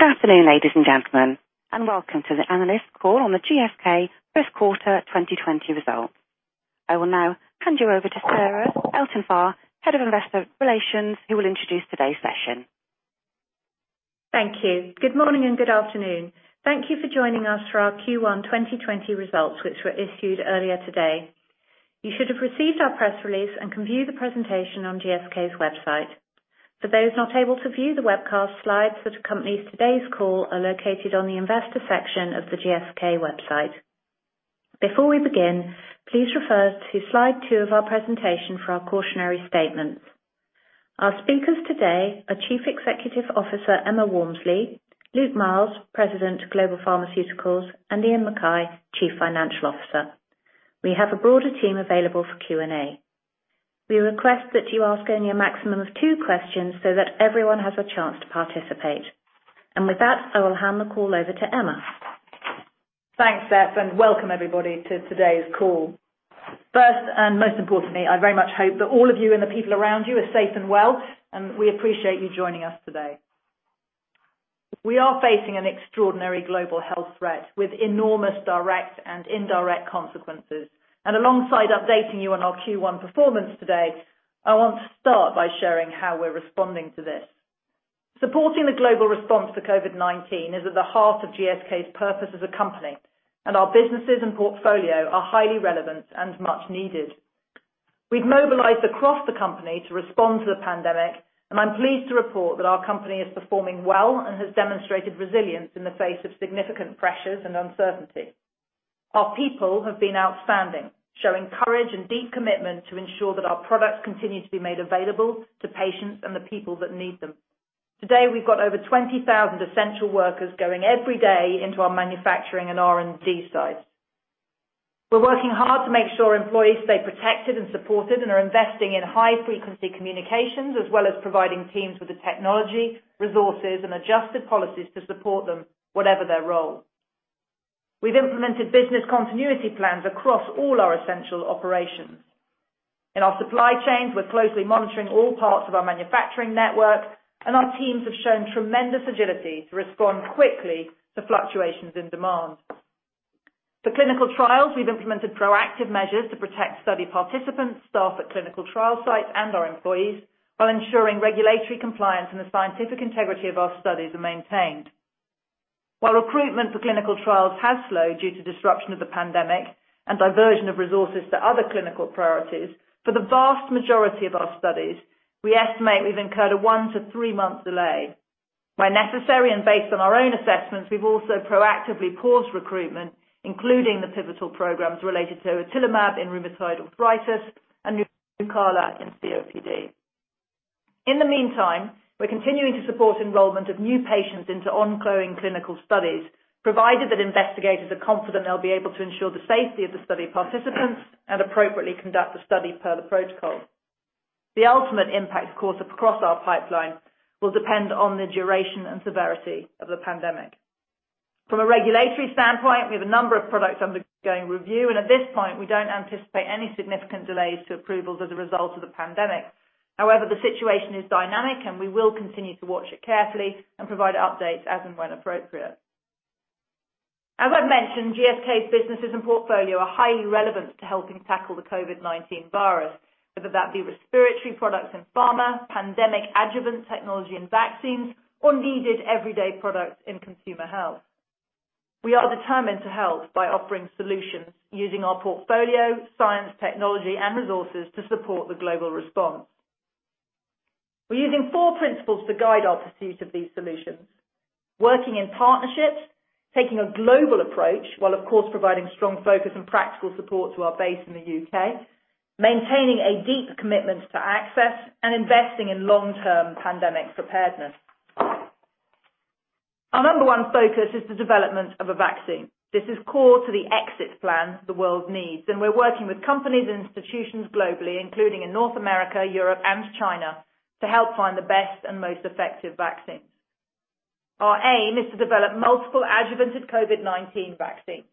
Good afternoon, ladies and gentlemen, and welcome to the analyst call on the GSK first quarter 2020 results. I will now hand you over to Sarah Elton-Farr, Head of Investor Relations, who will introduce today's session. Thank you. Good morning and good afternoon. Thank you for joining us for our Q1 2020 results, which were issued earlier today. You should have received our press release and can view the presentation on GSK's website. For those not able to view the webcast, slides that accompany today's call are located on the investor section of the GSK website. Before we begin, please refer to slide two of our presentation for our cautionary statements. Our speakers today are Chief Executive Officer, Emma Walmsley, Luke Miels, President, Global Pharmaceuticals, and Iain Mackay, Chief Financial Officer. We have a broader team available for Q&A. We request that you ask only a maximum of two questions so that everyone has a chance to participate. With that, I will hand the call over to Emma. Thanks, Sarah, and welcome everybody to today's call. First, and most importantly, I very much hope that all of you and the people around you are safe and well, and we appreciate you joining us today. We are facing an extraordinary global health threat with enormous direct and indirect consequences, and alongside updating you on our Q1 performance today, I want to start by sharing how we're responding to this. Supporting the global response to COVID-19 is at the heart of GSK's purpose as a company, and our businesses and portfolio are highly relevant and much needed. We've mobilized across the company to respond to the pandemic, and I'm pleased to report that our company is performing well and has demonstrated resilience in the face of significant pressures and uncertainty. Our people have been outstanding, showing courage and deep commitment to ensure that our products continue to be made available to patients and the people that need them. Today, we've got over 20,000 essential workers going every day into our manufacturing and R&D sites. We're working hard to make sure employees stay protected and supported and are investing in high-frequency communications as well as providing teams with the technology, resources, and adjusted policies to support them whatever their role. We've implemented business continuity plans across all our essential operations. In our supply chains, we're closely monitoring all parts of our manufacturing network, and our teams have shown tremendous agility to respond quickly to fluctuations in demand. For clinical trials, we've implemented proactive measures to protect study participants, staff at clinical trial sites, and our employees while ensuring regulatory compliance and the scientific integrity of our studies are maintained. While recruitment for clinical trials has slowed due to disruption of the pandemic and diversion of resources to other clinical priorities, for the vast majority of our studies, we estimate we've incurred a one to three month delay. Where necessary and based on our own assessments, we've also proactively paused recruitment, including the pivotal programs related to otilimab in rheumatoid arthritis and in COPD. In the meantime, we're continuing to support enrollment of new patients into ongoing clinical studies, provided that investigators are confident they'll be able to ensure the safety of the study participants and appropriately conduct the study per the protocol. The ultimate impact course across our pipeline will depend on the duration and severity of the pandemic. From a regulatory standpoint, we have a number of products undergoing review, and at this point, we don't anticipate any significant delays to approvals as a result of the pandemic. However, the situation is dynamic, and we will continue to watch it carefully and provide updates as and when appropriate. As I've mentioned, GSK's businesses and portfolio are highly relevant to helping tackle the COVID-19 virus, whether that be respiratory products in pharma, pandemic adjuvant technology and vaccines, or needed everyday products in consumer health. We are determined to help by offering solutions using our portfolio, science, technology, and resources to support the global response. We're using four principles to guide our pursuit of these solutions, working in partnerships, taking a global approach while of course providing strong focus and practical support to our base in the U.K., maintaining a deep commitment to access, and investing in long-term pandemic preparedness. Our number one focus is the development of a vaccine. This is core to the exit plan the world needs, and we're working with companies and institutions globally, including in North America, Europe, and China, to help find the best and most effective vaccines. Our aim is to develop multiple adjuvanted COVID-19 vaccines.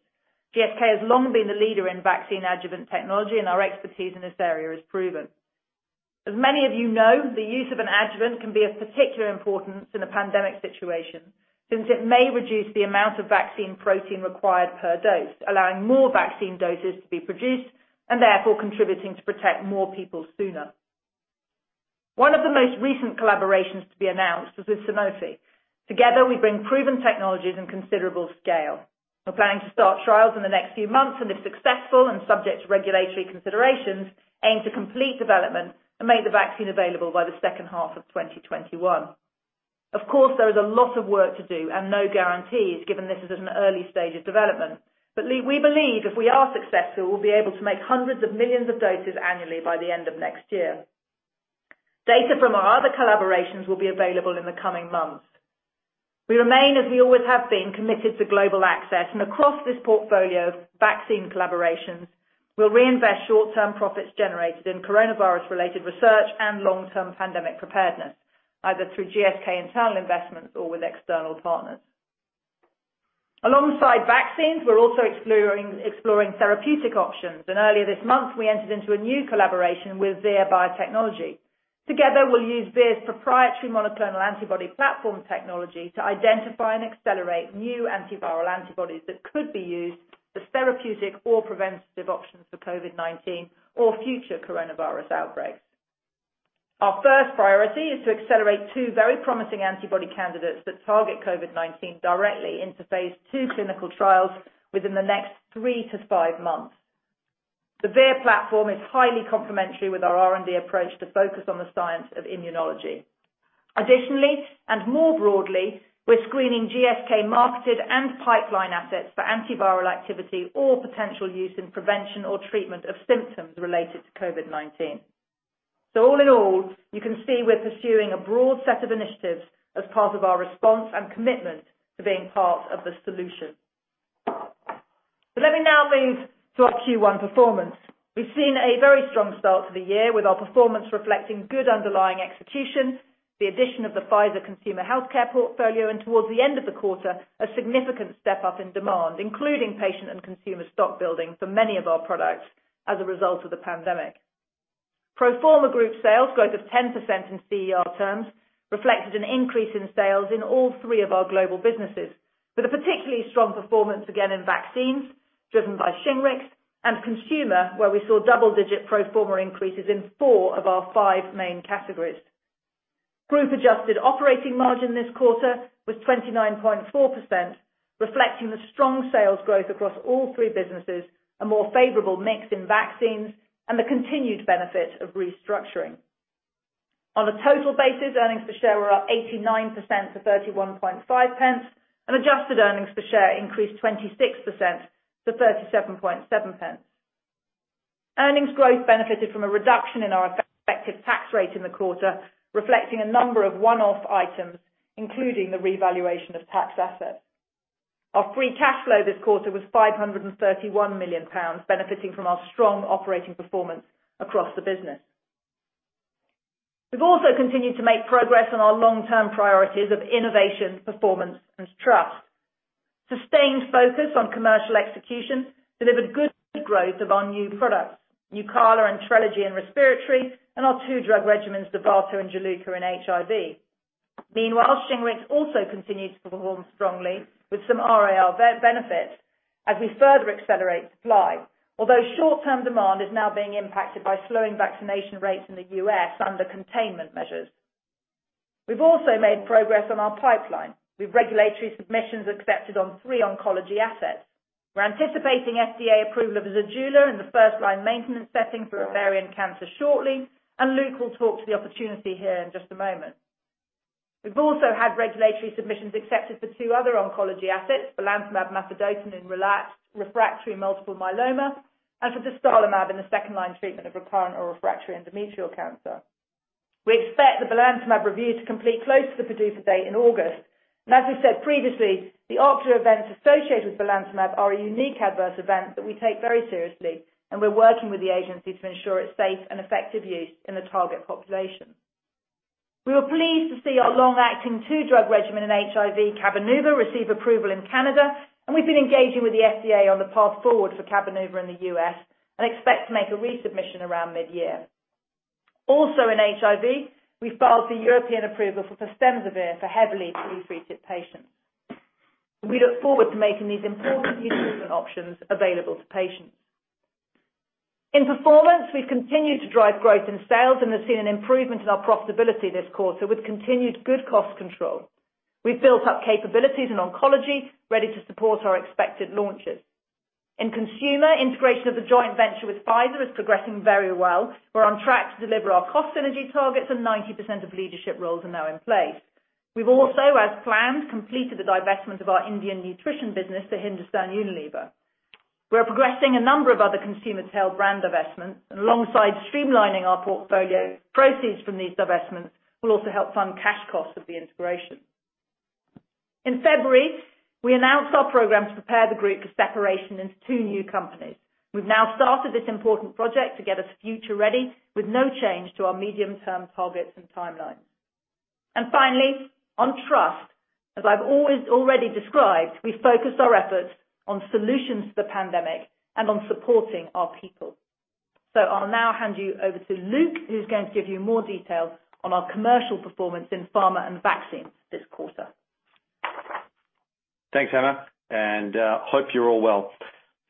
GSK has long been the leader in vaccine adjuvant technology, and our expertise in this area is proven. As many of you know, the use of an adjuvant can be of particular importance in a pandemic situation, since it may reduce the amount of vaccine protein required per dose, allowing more vaccine doses to be produced, and therefore contributing to protect more people sooner. One of the most recent collaborations to be announced is with Sanofi. Together, we bring proven technologies and considerable scale. We're planning to start trials in the next few months, and if successful, and subject to regulatory considerations, aim to complete development and make the vaccine available by the second half of 2021. Of course, there is a lot of work to do and no guarantees given this is at an early stage of development. We believe if we are successful, we'll be able to make hundreds of millions of doses annually by the end of next year. Data from our other collaborations will be available in the coming months. We remain, as we always have been, committed to global access, and across this portfolio of vaccine collaborations, we'll reinvest short-term profits generated in coronavirus-related research and long-term pandemic preparedness, either through GSK internal investments or with external partners. Alongside vaccines, we're also exploring therapeutic options. Earlier this month, we entered into a new collaboration with Vir Biotechnology. Together, we'll use Vir's proprietary monoclonal antibody platform technology to identify and accelerate new antiviral antibodies that could be used as therapeutic or preventative options for COVID-19 or future coronavirus outbreaks. Our first priority is to accelerate two very promising antibody candidates that target COVID-19 directly into phase II clinical trials within the next three to five months. The Vir platform is highly complementary with our R&D approach to focus on the science of immunology. More broadly, we're screening GSK marketed and pipeline assets for antiviral activity or potential use in prevention or treatment of symptoms related to COVID-19. All in all, you can see we're pursuing a broad set of initiatives as part of our response and commitment to being part of the solution. Let me now move to our Q1 performance. We’ve seen a very strong start to the year, with our performance reflecting good underlying execution, the addition of the Pfizer Consumer Healthcare portfolio, and towards the end of the quarter, a significant step up in demand, including patient and consumer stock building for many of our products as a result of the pandemic. Pro forma group sales growth of 10% in CER terms reflected an increase in sales in all three of our global businesses, with a particularly strong performance, again, in vaccines driven by SHINGRIX, and consumer, where we saw double-digit pro forma increases in four of our five main categories. Group adjusted operating margin this quarter was 29.4%, reflecting the strong sales growth across all three businesses, a more favorable mix in vaccines, and the continued benefit of restructuring. On a total basis, earnings per share were up 89% to 0.315, adjusted earnings per share increased 26% to 0.377. Earnings growth benefited from a reduction in our effective tax rate in the quarter, reflecting a number of one-off items, including the revaluation of tax assets. Our free cash flow this quarter was 531 million pounds, benefiting from our strong operating performance across the business. We've also continued to make progress on our long-term priorities of innovation, performance, and trust. Sustained focus on commercial execution delivered good growth of our new products, NUCALA and TRELEGY in respiratory, and our two drug regimens, DOVATO and JULUCA in HIV. Meanwhile, SHINGRIX also continues to perform strongly with some RAR benefits as we further accelerate supply. Short-term demand is now being impacted by slowing vaccination rates in the U.S. under containment measures. We've also made progress on our pipeline, with regulatory submissions accepted on three oncology assets. We're anticipating FDA approval of ZEJULA in the first-line maintenance setting for ovarian cancer shortly, and Luke will talk to the opportunity here in just a moment. We've also had regulatory submissions accepted for two other oncology assets, belantamab mafodotin in relapsed refractory multiple myeloma, and for dostarlimab in the second-line treatment of recurrent or refractory endometrial cancer. We expect the belantamab review to complete close to the PDUFA date in August. As we said previously, the ocular events associated with belantamab are a unique adverse event that we take very seriously, and we're working with the agency to ensure its safe and effective use in the target population. We were pleased to see our long-acting, two-drug regimen in HIV, CABENUVA, receive approval in Canada. We've been engaging with the FDA on the path forward for CABENUVA in the U.S. and expect to make a resubmission around mid-year. Also in HIV, we filed for European approval for fostemsavir for heavily pre-treated patients. We look forward to making these important new treatment options available to patients. In performance, we've continued to drive growth in sales and have seen an improvement in our profitability this quarter with continued good cost control. We've built up capabilities in oncology ready to support our expected launches. In consumer, integration of the joint venture with Pfizer is progressing very well. We're on track to deliver our cost synergy targets. 90% of leadership roles are now in place. We've also, as planned, completed the divestment of our Indian nutrition business to Hindustan Unilever. We're progressing a number of other consumer tail brand divestments. Alongside streamlining our portfolio, proceeds from these divestments will also help fund cash costs of the integration. In February, we announced our program to prepare the group for separation into two new companies. We've now started this important project to get us future-ready with no change to our medium-term targets and timelines. Finally, on trust, as I've already described, we focus our efforts on solutions to the pandemic and on supporting our people. I'll now hand you over to Luke, who's going to give you more details on our commercial performance in pharma and vaccines this quarter. Thanks, Emma. Hope you're all well.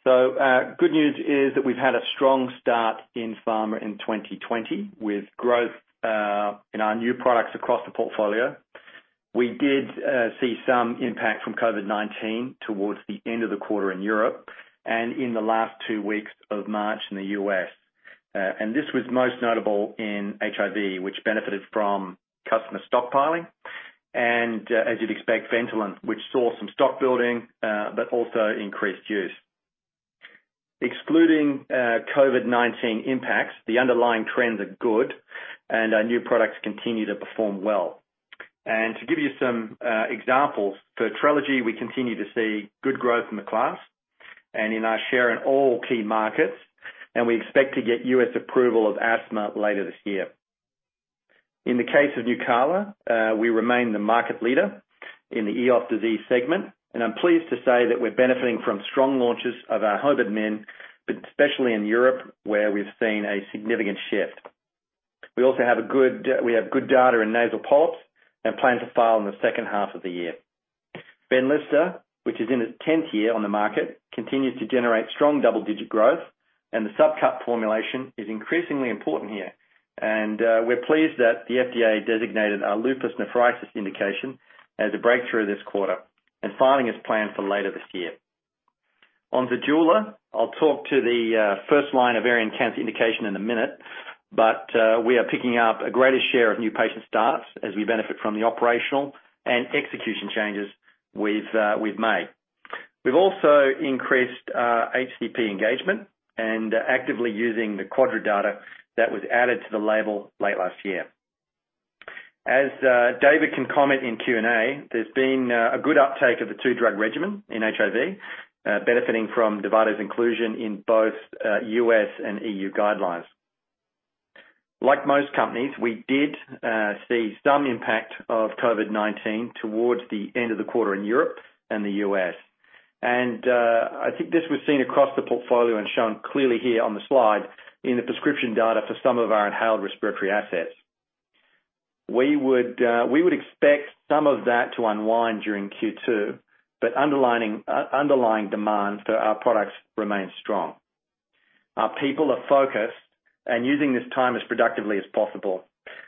Good news is that we've had a strong start in pharma in 2020, with growth in our new products across the portfolio. We did see some impact from COVID-19 towards the end of the quarter in Europe and in the last two weeks of March in the U.S. This was most notable in HIV, which benefited from customer stockpiling, and, as you'd expect, VENTOLIN, which saw some stock building, but also increased use. Excluding COVID-19 impacts, the underlying trends are good, and our new products continue to perform well. To give you some examples, for TRELEGY, we continue to see good growth in the class and in our share in all key markets, and we expect to get U.S. approval of asthma later this year. In the case of NUCALA, we remain the market leader in the EOS disease segment, and I'm pleased to say that we're benefiting from strong launches of our 100 mg, but especially in Europe, where we've seen a significant shift. We also have good data in nasal polyps and plan to file in the second half of the year. Benlysta, which is in its 10th year on the market, continues to generate strong double-digit growth, and the subcut formulation is increasingly important here. We're pleased that the FDA designated our lupus nephritis indication as a breakthrough this quarter, and filing is planned for later this year. On ZEJULA, I'll talk to the first-line ovarian cancer indication in a minute, we are picking up a greater share of new patient starts as we benefit from the operational and execution changes we've made. We've also increased our HCP engagement and are actively using the QUADRA data that was added to the label late last year. As David can comment in Q&A, there's been a good uptake of the two-drug regimen in HIV, benefiting from DOVATO's inclusion in both U.S. and EU guidelines. Like most companies, we did see some impact of COVID-19 towards the end of the quarter in Europe and the U.S., I think this was seen across the portfolio and shown clearly here on the slide in the prescription data for some of our inhaled respiratory assets. We would expect some of that to unwind during Q2, but underlying demand for our products remains strong. Our people are focused and using this time as productively as possible.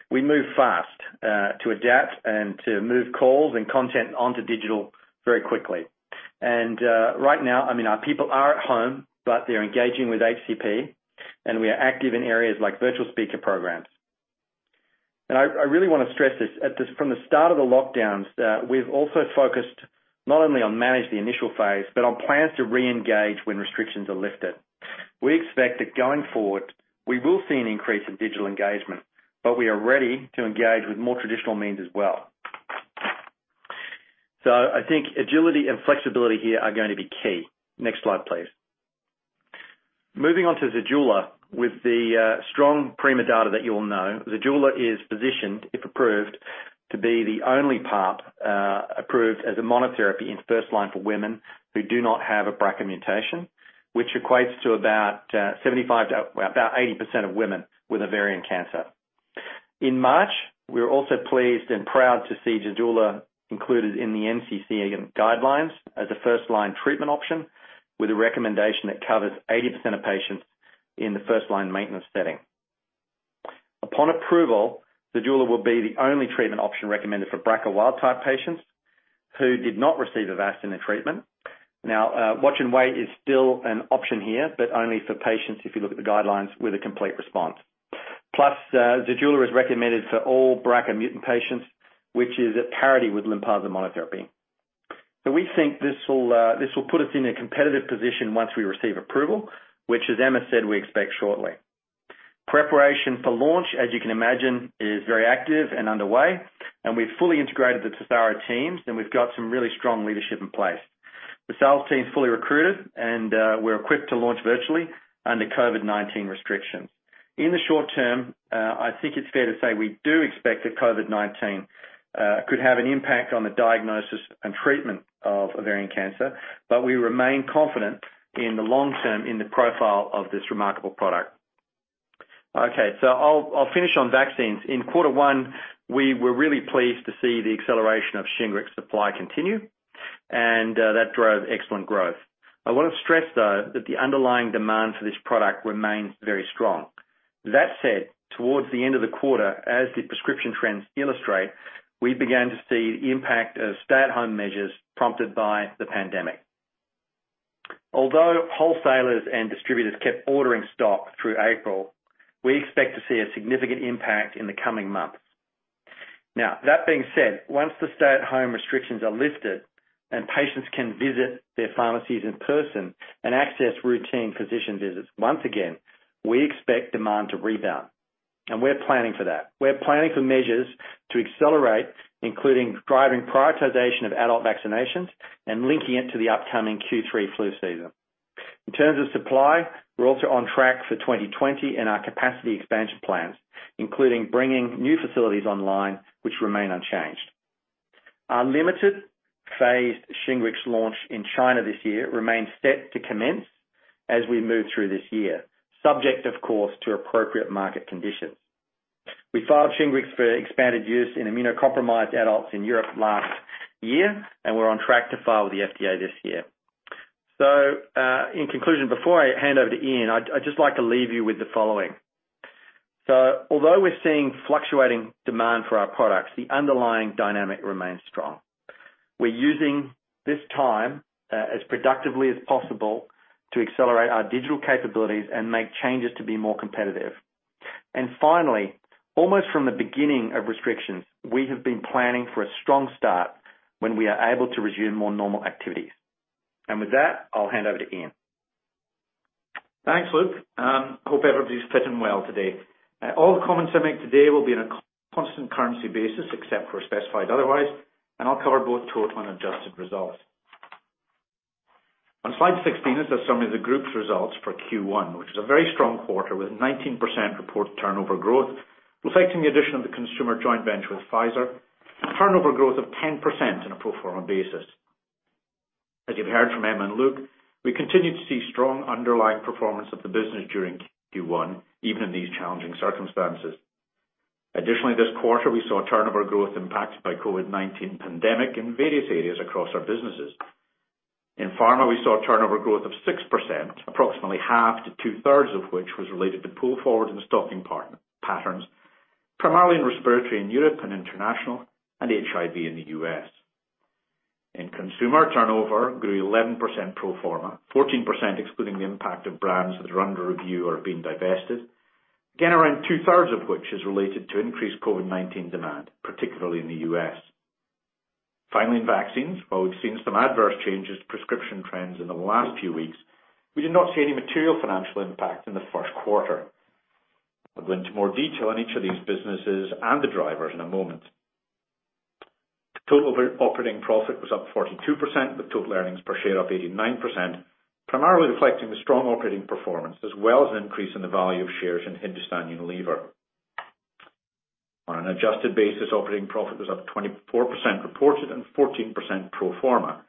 We move fast to adapt and to move calls and content onto digital very quickly. Right now, our people are at home, but they're engaging with HCP, and we are active in areas like virtual speaker programs. I really want to stress this. From the start of the lockdowns, we've also focused not only on managing the initial phase but on plans to reengage when restrictions are lifted. We expect that going forward, we will see an increase in digital engagement, but we are ready to engage with more traditional means as well. I think agility and flexibility here are going to be key. Next slide, please. Moving on to ZEJULA. With the strong PRIMA data that you all know, ZEJULA is positioned, if approved, to be the only PARP approved as a monotherapy in first line for women who do not have a BRCA mutation, which equates to about 75% to about 80% of women with ovarian cancer. In March, we were also pleased and proud to see ZEJULA included in the NCCN guidelines as a first-line treatment option, with a recommendation that covers 80% of patients in the first-line maintenance setting. Upon approval, ZEJULA will be the only treatment option recommended for BRCA wild type patients who did not receive Avastin treatment. Now, watch and wait is still an option here, but only for patients, if you look at the guidelines, with a complete response. Plus, ZEJULA is recommended for all BRCA mutant patients, which is at parity with LYNPARZA monotherapy. We think this will put us in a competitive position once we receive approval, which, as Emma said, we expect shortly. Preparation for launch, as you can imagine, is very active and underway, and we've fully integrated the TESARO teams, and we've got some really strong leadership in place. The sales team's fully recruited, and we're equipped to launch virtually under COVID-19 restrictions. In the short term, I think it's fair to say we do expect that COVID-19 could have an impact on the diagnosis and treatment of ovarian cancer, but we remain confident in the long term in the profile of this remarkable product. Okay. I'll finish on vaccines. In quarter one, we were really pleased to see the acceleration of SHINGRIX supply continue, and that drove excellent growth. I want to stress, though, that the underlying demand for this product remains very strong. That said, towards the end of the quarter, as the prescription trends illustrate, we began to see the impact of stay-at-home measures prompted by the pandemic. Although wholesalers and distributors kept ordering stock through April, we expect to see a significant impact in the coming months. That being said, once the stay-at-home restrictions are lifted and patients can visit their pharmacies in person and access routine physician visits once again, we expect demand to rebound. We're planning for that. We're planning for measures to accelerate, including driving prioritization of adult vaccinations and linking it to the upcoming Q3 flu season. In terms of supply, we're also on track for 2020 in our capacity expansion plans, including bringing new facilities online, which remain unchanged. Our limited phased SHINGRIX launch in China this year remains set to commence as we move through this year, subject, of course, to appropriate market conditions. We filed SHINGRIX for expanded use in immunocompromised adults in Europe last year, we're on track to file with the FDA this year. In conclusion, before I hand over to Iain, I'd just like to leave you with the following. Although we're seeing fluctuating demand for our products, the underlying dynamic remains strong. We're using this time as productively as possible to accelerate our digital capabilities and make changes to be more competitive. Finally, almost from the beginning of restrictions, we have been planning for a strong start when we are able to resume more normal activities. With that, I'll hand over to Iain. Thanks, Luke. Hope everybody's fitting well today. All the comments I make today will be on a constant currency basis, except where specified otherwise, and I'll cover both total and adjusted results. On slide 16 is the summary of the group's results for Q1, which was a very strong quarter with 19% reported turnover growth, reflecting the addition of the consumer joint venture with Pfizer. Turnover growth of 10% on a pro forma basis. As you've heard from Emma and Luke, we continue to see strong underlying performance of the business during Q1, even in these challenging circumstances. This quarter, we saw turnover growth impacted by COVID-19 pandemic in various areas across our businesses. In pharma, we saw turnover growth of 6%, approximately half to two-thirds of which was related to pull forward in stocking patterns, primarily in respiratory in Europe and international, and HIV in the U.S. In consumer, turnover grew 11% pro forma, 14% excluding the impact of brands that are under review or are being divested. Again, around two-thirds of which is related to increased COVID-19 demand, particularly in the U.S. Finally, in vaccines, while we've seen some adverse changes to prescription trends in the last few weeks, we did not see any material financial impact in the first quarter. I'll go into more detail on each of these businesses and the drivers in a moment. Total operating profit was up 42%, with total earnings per share up 89%, primarily reflecting the strong operating performance as well as an increase in the value of shares in Hindustan Unilever. On an adjusted basis, operating profit was up 24% reported and 14% pro forma.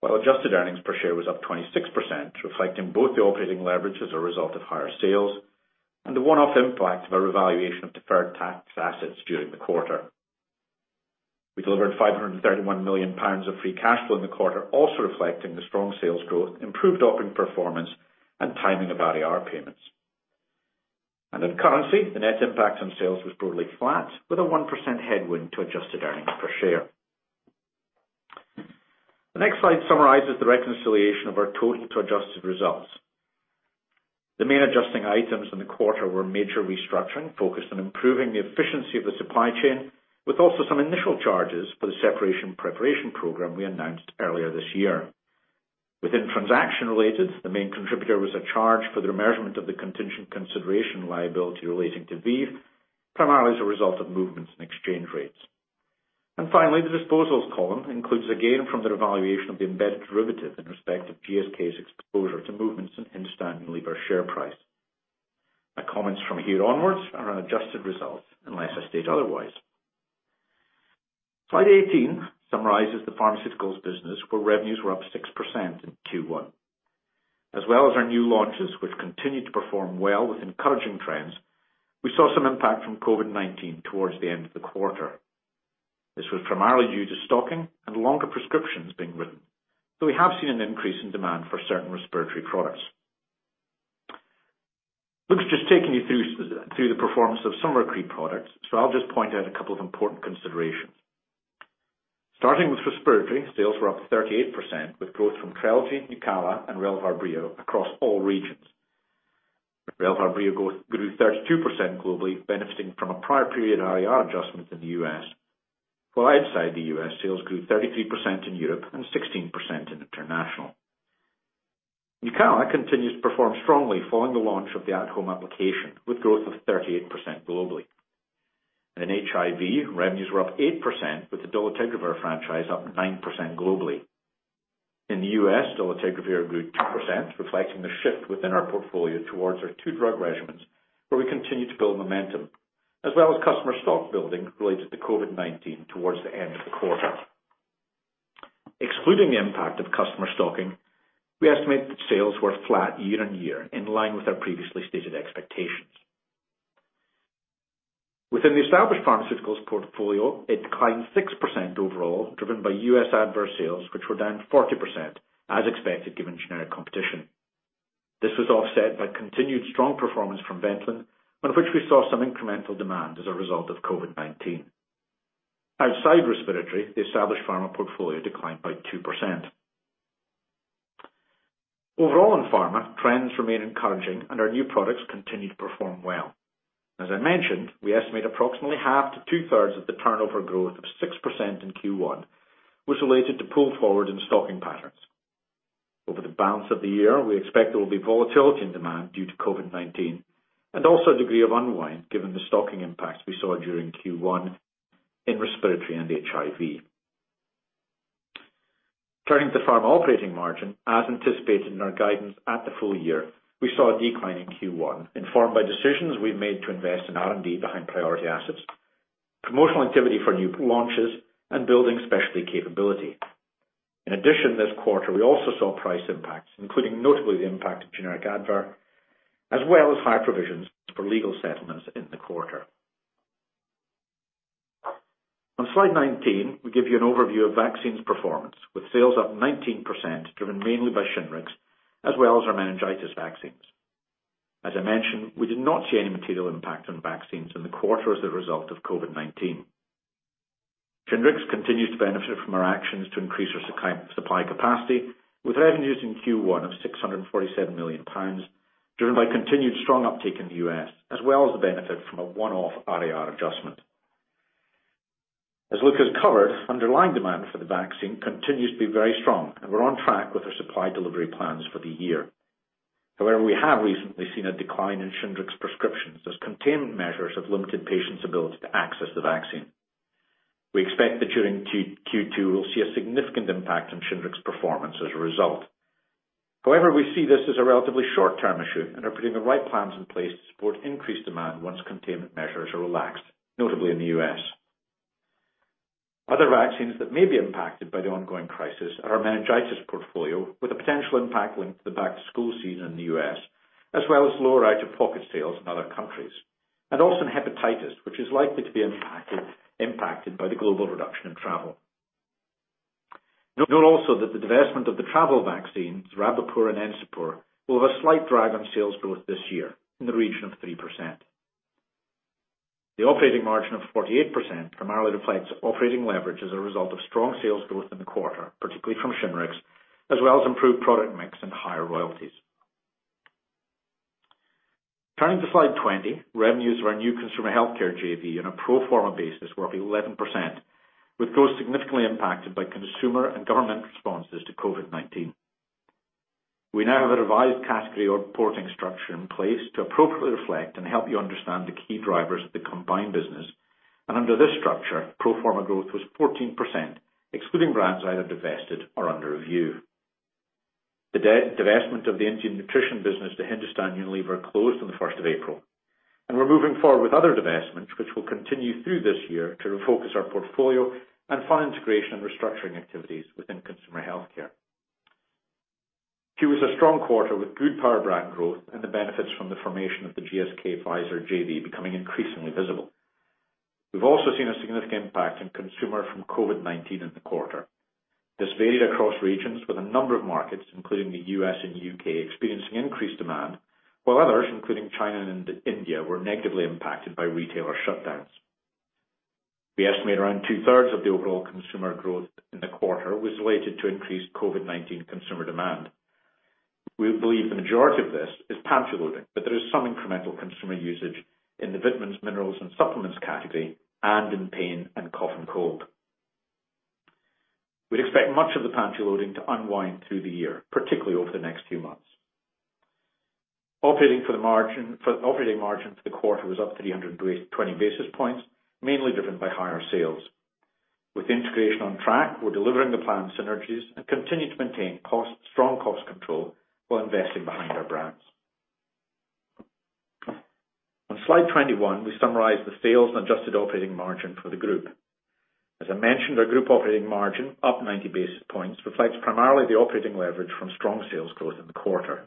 While adjusted earnings per share was up 26%, reflecting both the operating leverage as a result of higher sales and the one-off impact of our revaluation of deferred tax assets during the quarter. We delivered 531 million pounds of free cash flow in the quarter, also reflecting the strong sales growth, improved operating performance, and timing of RAR payments. In currency, the net impact on sales was broadly flat, with a 1% headwind to adjusted earnings per share. The next slide summarizes the reconciliation of our total to adjusted results. The main adjusting items in the quarter were major restructuring focused on improving the efficiency of the supply chain, with also some initial charges for the separation preparation program we announced earlier this year. Within transaction-related, the main contributor was a charge for the measurement of the contingent consideration liability relating to ViiV, primarily as a result of movements in exchange rates. Finally, the disposals column includes a gain from the revaluation of the embedded derivative in respect of GSK's exposure to movements in Hindustan Unilever share price. My comments from here onwards are on adjusted results, unless I state otherwise. Slide 18 summarizes the pharmaceuticals business, where revenues were up 6% in Q1. Well as our new launches, which continued to perform well with encouraging trends, we saw some impact from COVID-19 towards the end of the quarter. This was primarily due to stocking and longer prescriptions being written. We have seen an increase in demand for certain respiratory products. Luke's just taken you through the performance of some recent products. I'll just point out a couple of important considerations. Starting with respiratory, sales were up 38%, with growth from TRELEGY, NUCALA, and Relvar Breo across all regions. Relvar Breo grew 32% globally, benefiting from a prior period RAR adjustment in the U.S. Outside the U.S., sales grew 33% in Europe and 16% in international. NUCALA continues to perform strongly following the launch of the at-home application, with growth of 38% globally. In HIV, revenues were up 8%, with the dolutegravir franchise up 9% globally. In the U.S., dolutegravir grew 2%, reflecting the shift within our portfolio towards our two-drug regimens, where we continue to build momentum, as well as customer stock building related to COVID-19 towards the end of the quarter. Excluding the impact of customer stocking, we estimate that sales were flat year-on-year, in line with our previously stated expectations. Within the established pharmaceuticals portfolio, it declined 6% overall, driven by U.S. ADVAIR sales, which were down 40%, as expected, given generic competition. This was offset by continued strong performance from VENTOLIN, on which we saw some incremental demand as a result of COVID-19. Outside respiratory, the established pharma portfolio declined by 2%. Overall in pharma, trends remain encouraging, and our new products continue to perform well. As I mentioned, we estimate approximately half to two-thirds of the turnover growth of 6% in Q1 was related to pull forward in stocking patterns. Over the balance of the year, we expect there will be volatility in demand due to COVID-19, and also a degree of unwind given the stocking impact we saw during Q1 in respiratory and HIV. Turning to pharma operating margin, as anticipated in our guidance at the full year, we saw a decline in Q1, informed by decisions we've made to invest in R&D behind priority assets, promotional activity for new launches, and building specialty capability. In addition, this quarter, we also saw price impacts, including notably the impact of generic ADVAIR, as well as higher provisions for legal settlements in the quarter. On slide 19, we give you an overview of vaccines performance, with sales up 19%, driven mainly by SHINGRIX, as well as our meningitis vaccines. As I mentioned, we did not see any material impact on vaccines in the quarter as a result of COVID-19. SHINGRIX continues to benefit from our actions to increase our supply capacity, with revenues in Q1 of 647 million pounds, driven by continued strong uptake in the U.S., as well as the benefit from a one-off RAR adjustment. As Luke has covered, underlying demand for the vaccine continues to be very strong, and we're on track with our supply delivery plans for the year. We have recently seen a decline in SHINGRIX prescriptions as containment measures have limited patients' ability to access the vaccine. We expect that during Q2, we'll see a significant impact on SHINGRIX performance as a result. We see this as a relatively short-term issue and are putting the right plans in place to support increased demand once containment measures are relaxed, notably in the U.S. Other vaccines that may be impacted by the ongoing crisis are our meningitis portfolio, with a potential impact linked to the back-to-school season in the U.S., as well as lower out-of-pocket sales in other countries, and also in hepatitis, which is likely to be impacted by the global reduction in travel. Note also that the divestment of the travel vaccines, Rabipur and Encepur, will have a slight drag on sales growth this year in the region of 3%. The operating margin of 48% primarily reflects operating leverage as a result of strong sales growth in the quarter, particularly from SHINGRIX, as well as improved product mix and higher royalties. Turning to slide 20, revenues for our new consumer healthcare JV on a pro forma basis were up 11%, with growth significantly impacted by consumer and government responses to COVID-19. Under this structure, pro forma growth was 14%, excluding brands either divested or under review. The divestment of the Indian nutrition business to Hindustan Unilever closed on the first of April. We're moving forward with other divestments, which will continue through this year to refocus our portfolio and fund integration and restructuring activities within consumer healthcare. Q was a strong quarter with good power brand growth and the benefits from the formation of the GSK Pfizer JV becoming increasingly visible. We've also seen a significant impact on consumer from COVID-19 in the quarter. This varied across regions with a number of markets, including the U.S. and U.K., experiencing increased demand, while others, including China and India, were negatively impacted by retailer shutdowns. We estimate around two-thirds of the overall consumer growth in the quarter was related to increased COVID-19 consumer demand. We believe the majority of this is pantry loading, but there is some incremental consumer usage in the vitamins, minerals, and supplements category and in pain and cough and cold. We'd expect much of the pantry loading to unwind through the year, particularly over the next few months. Operating margin for the quarter was up 320 basis points, mainly driven by higher sales. With integration on track, we're delivering the planned synergies and continue to maintain strong cost control while investing behind our brands. On slide 21, we summarize the sales and adjusted operating margin for the group. As I mentioned, our group operating margin up 90 basis points, reflects primarily the operating leverage from strong sales growth in the quarter.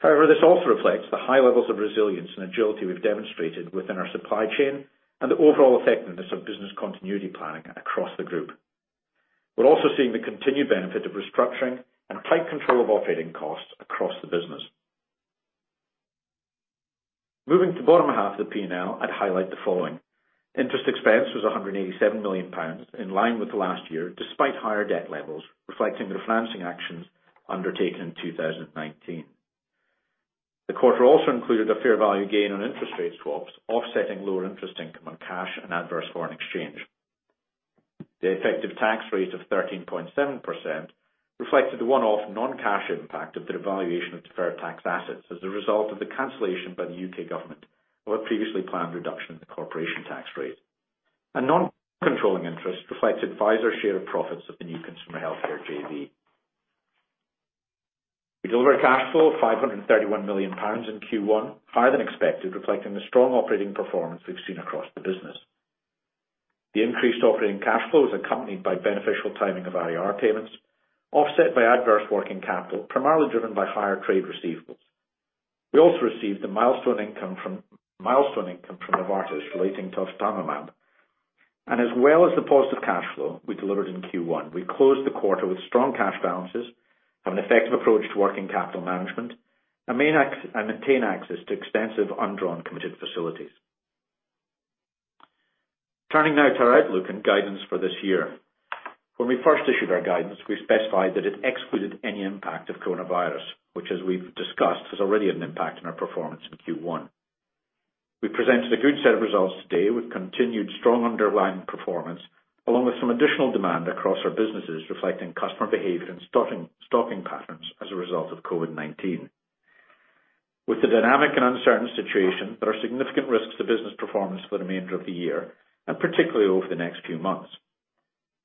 However, this also reflects the high levels of resilience and agility we've demonstrated within our supply chain and the overall effectiveness of business continuity planning across the group. We're also seeing the continued benefit of restructuring and tight control of operating costs across the business. Moving to bottom half of the P&L, I'd highlight the following. Interest expense was 187 million pounds, in line with last year, despite higher debt levels, reflecting the financing actions undertaken in 2019. The quarter also included a fair value gain on interest rates swaps, offsetting lower interest income on cash and adverse foreign exchange. The effective tax rate of 13.7% reflected the one-off non-cash impact of the revaluation of deferred tax assets as a result of the cancellation by the U.K. government of a previously planned reduction in the corporation tax rate. Non-controlling interest reflects Pfizer's share of profits of the new Consumer Healthcare JV. We delivered cash flow of 531 million pounds in Q1, higher than expected, reflecting the strong operating performance we've seen across the business. The increased operating cash flow is accompanied by beneficial timing of IR payments, offset by adverse working capital, primarily driven by higher trade receivables. We also received the milestone income from Novartis relating to ofatumumab. As well as the positive cash flow we delivered in Q1, we closed the quarter with strong cash balances, have an effective approach to working capital management, and maintain access to extensive undrawn committed facilities. Turning now to our outlook and guidance for this year. When we first issued our guidance, we specified that it excluded any impact of COVID-19, which as we've discussed, has already had an impact on our performance in Q1. We presented a good set of results today with continued strong underlying performance, along with some additional demand across our businesses reflecting customer behavior and stocking patterns as a result of COVID-19. With the dynamic and uncertain situation, there are significant risks to business performance for the remainder of the year, and particularly over the next few months.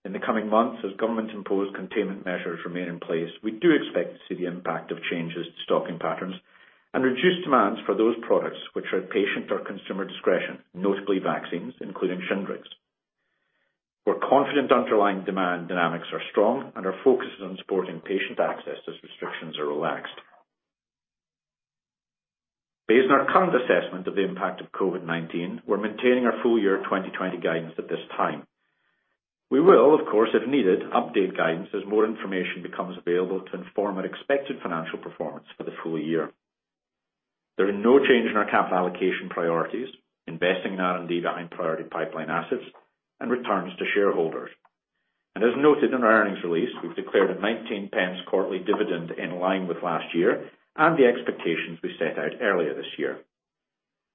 In the coming months, as government-imposed containment measures remain in place, we do expect to see the impact of changes to stocking patterns and reduced demands for those products which are patient or consumer discretion, notably vaccines, including SHINGRIX. We're confident underlying demand dynamics are strong and are focused on supporting patient access as restrictions are relaxed. Based on our current assessment of the impact of COVID-19, we're maintaining our full year 2020 guidance at this time. We will, of course, if needed, update guidance as more information becomes available to inform our expected financial performance for the full year. There are no change in our capital allocation priorities, investing in R&D behind priority pipeline assets, and returns to shareholders. As noted in our earnings release, we've declared a 0.19 quarterly dividend in line with last year and the expectations we set out earlier this year.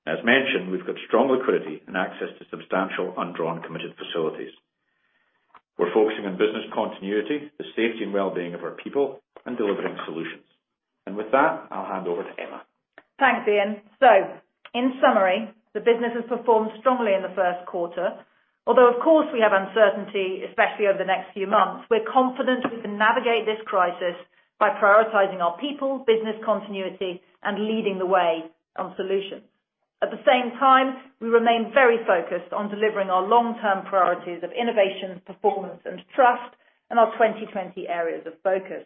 As mentioned, we've got strong liquidity and access to substantial undrawn committed facilities. We're focusing on business continuity, the safety and wellbeing of our people, and delivering solutions. With that, I'll hand over to Emma. Thanks, Iain. In summary, the business has performed strongly in the first quarter. Although, of course, we have uncertainty, especially over the next few months. We're confident we can navigate this crisis by prioritizing our people, business continuity, and leading the way on solutions. At the same time, we remain very focused on delivering our long-term priorities of innovation, performance, and trust, and our 2020 areas of focus.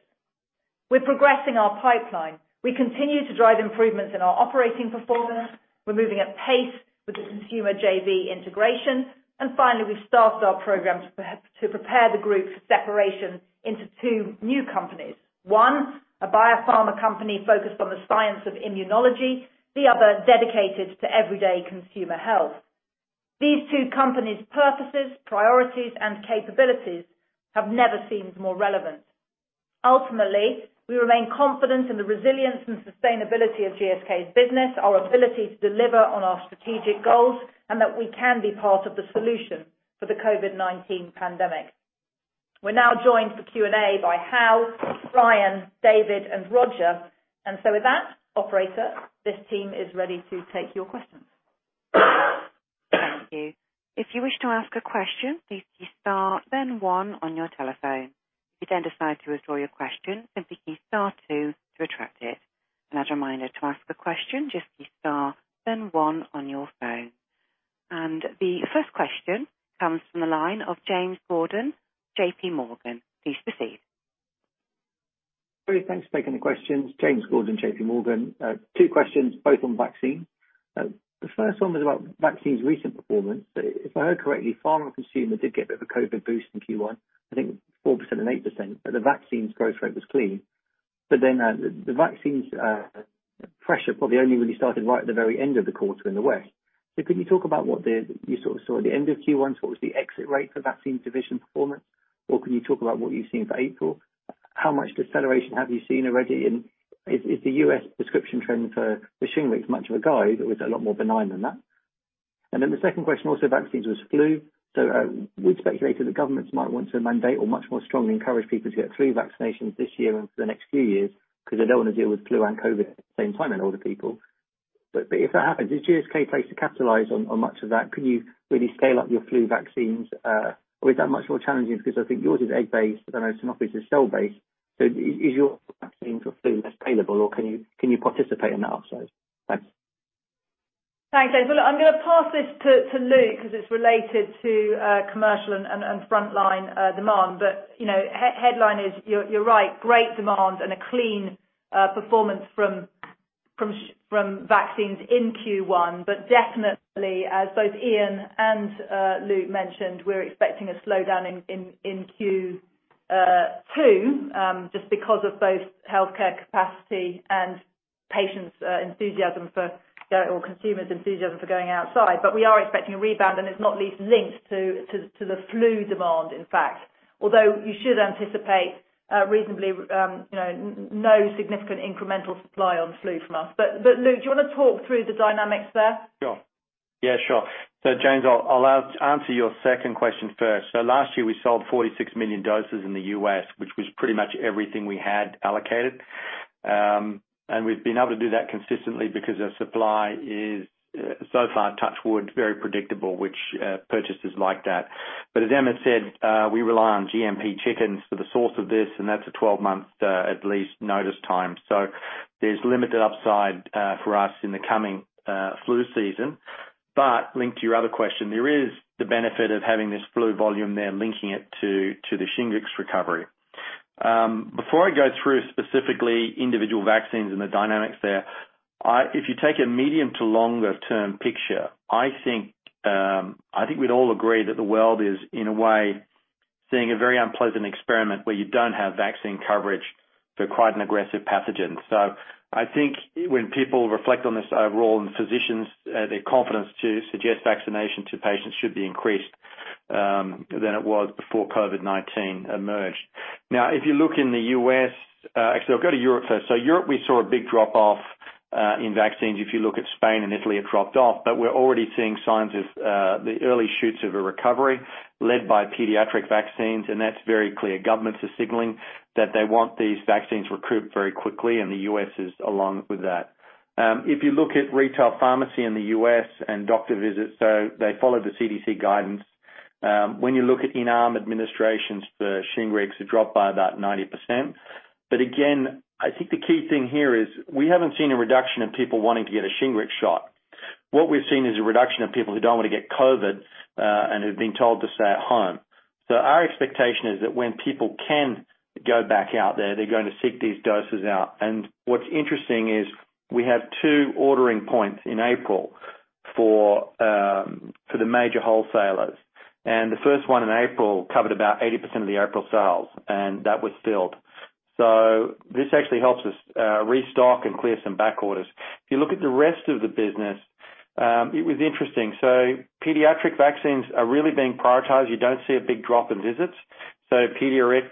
We're progressing our pipeline. We continue to drive improvements in our operating performance. We're moving at pace with the consumer JV integration. Finally, we've started our program to prepare the group for separation into two new companies. One, a biopharma company focused on the science of immunology, the other dedicated to everyday consumer health. These two companies' purposes, priorities, and capabilities have never seemed more relevant. Ultimately, we remain confident in the resilience and sustainability of GSK's business, our ability to deliver on our strategic goals, and that we can be part of the solution for the COVID-19 pandemic. We're now joined for Q&A by Hal, Brian, David, and Roger. With that, operator, this team is ready to take your questions. Thank you. If you wish to ask a question, please key star then one on your telephone. If you then decide to withdraw your question, simply key star two to retract it. As a reminder, to ask a question, just key star then one on your phone. The first question comes from the line of James Gordon, JPMorgan. Please proceed. Great. Thanks for taking the questions. James Gordon, JPMorgan. Two questions, both on vaccines. The first one was about vaccines' recent performance. If I heard correctly, pharma consumer did get a bit of a COVID boost in Q1, I think 4% and 8%. The vaccines' growth rate was clean. The vaccines pressure probably only really started right at the very end of the quarter in the West. Can you talk about what you sort of saw at the end of Q1? What was the exit rate for the vaccines division performance? Can you talk about what you've seen for April? How much deceleration have you seen already? Is the U.S. prescription trend for the SHINGRIX much of a guide? It was a lot more benign than that. The second question also vaccines was flu. We'd speculated that governments might want to mandate or much more strongly encourage people to get flu vaccinations this year and for the next few years because they don't want to deal with flu and COVID at the same time in older people. If that happens, is GSK placed to capitalize on much of that? Could you really scale up your flu vaccines? Is that much more challenging because I think yours is egg-based. I know Sanofi's is cell-based. Is your vaccine for flu less scalable, or can you participate in that upside? Thanks. Thanks, James. Well, look, I'm going to pass this to Luke because it's related to commercial and frontline demand. Headline is, you're right, great demand and a clean performance from vaccines in Q1. Definitely as both Iain and Luke mentioned, we're expecting a slowdown in Q2, just because of both healthcare capacity and patients' enthusiasm or consumers' enthusiasm for going outside. We are expecting a rebound, and it's not least linked to the flu demand, in fact. Although you should anticipate reasonably no significant incremental supply on flu from us. Luke, do you want to talk through the dynamics there? Sure. Yeah, sure. James, I'll answer your second question first. Last year, we sold 46 million doses in the U.S., which was pretty much everything we had allocated. We've been able to do that consistently because our supply is so far, touch wood, very predictable, which purchasers like that. As Emma said, we rely on SPF chickens for the source of this, and that's a 12-month, at least, notice time. There's limited upside for us in the coming flu season. Linked to your other question, there is the benefit of having this flu volume there linking it to the SHINGRIX recovery. Before I go through specifically individual vaccines and the dynamics there, if you take a medium to longer-term picture, I think we'd all agree that the world is, in a way, seeing a very unpleasant experiment where you don't have vaccine coverage for quite an aggressive pathogen. I think when people reflect on this overall, and physicians, their confidence to suggest vaccination to patients should be increased than it was before COVID-19 emerged. Actually, I'll go to Europe first. Europe, we saw a big drop-off in vaccines. If you look at Spain and Italy, it dropped off. We're already seeing signs of the early shoots of a recovery led by pediatric vaccines, and that's very clear. Governments are signaling that they want these vaccines recouped very quickly, and the U.S. is along with that. If you look at retail pharmacy in the U.S. and doctor visits, so they follow the CDC guidance. When you look at in-arm administrations for SHINGRIX, it dropped by about 90%. Again, I think the key thing here is we haven't seen a reduction in people wanting to get a SHINGRIX shot. What we've seen is a reduction of people who don't want to get COVID, and who've been told to stay at home. Our expectation is that when people can go back out there, they're going to seek these doses out. What's interesting is we have two ordering points in April for the major wholesalers. The first one in April covered about 80% of the April sales, and that was filled. This actually helps us restock and clear some back orders. If you look at the rest of the business, it was interesting. Pediatric vaccines are really being prioritized. You don't see a big drop in visits. PEDIARIX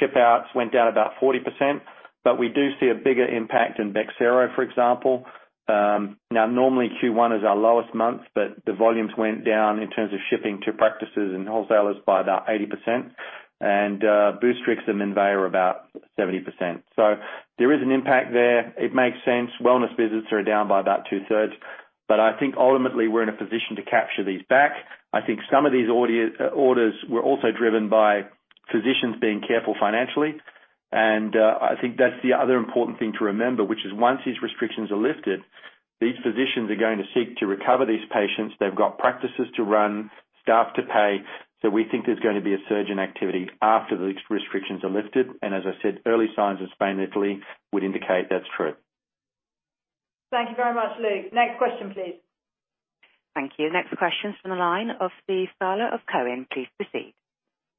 ship-outs went down about 40%, but we do see a bigger impact in BEXSERO, for example. Normally Q1 is our lowest month, but the volumes went down in terms of shipping to practices and wholesalers by about 80%, and BOOSTRIX and MENVEO are about 70%. There is an impact there. It makes sense. Wellness visits are down by about two-thirds. I think ultimately we're in a position to capture these back. I think some of these orders were also driven by physicians being careful financially, and I think that's the other important thing to remember, which is once these restrictions are lifted, these physicians are going to seek to recover these patients. They've got practices to run, staff to pay. We think there's going to be a surge in activity after these restrictions are lifted. As I said, early signs in Spain and Italy would indicate that's true. Thank you very much, Luke. Next question, please. Thank you. Next question is from the line of Steve Scala of Cowen. Please proceed.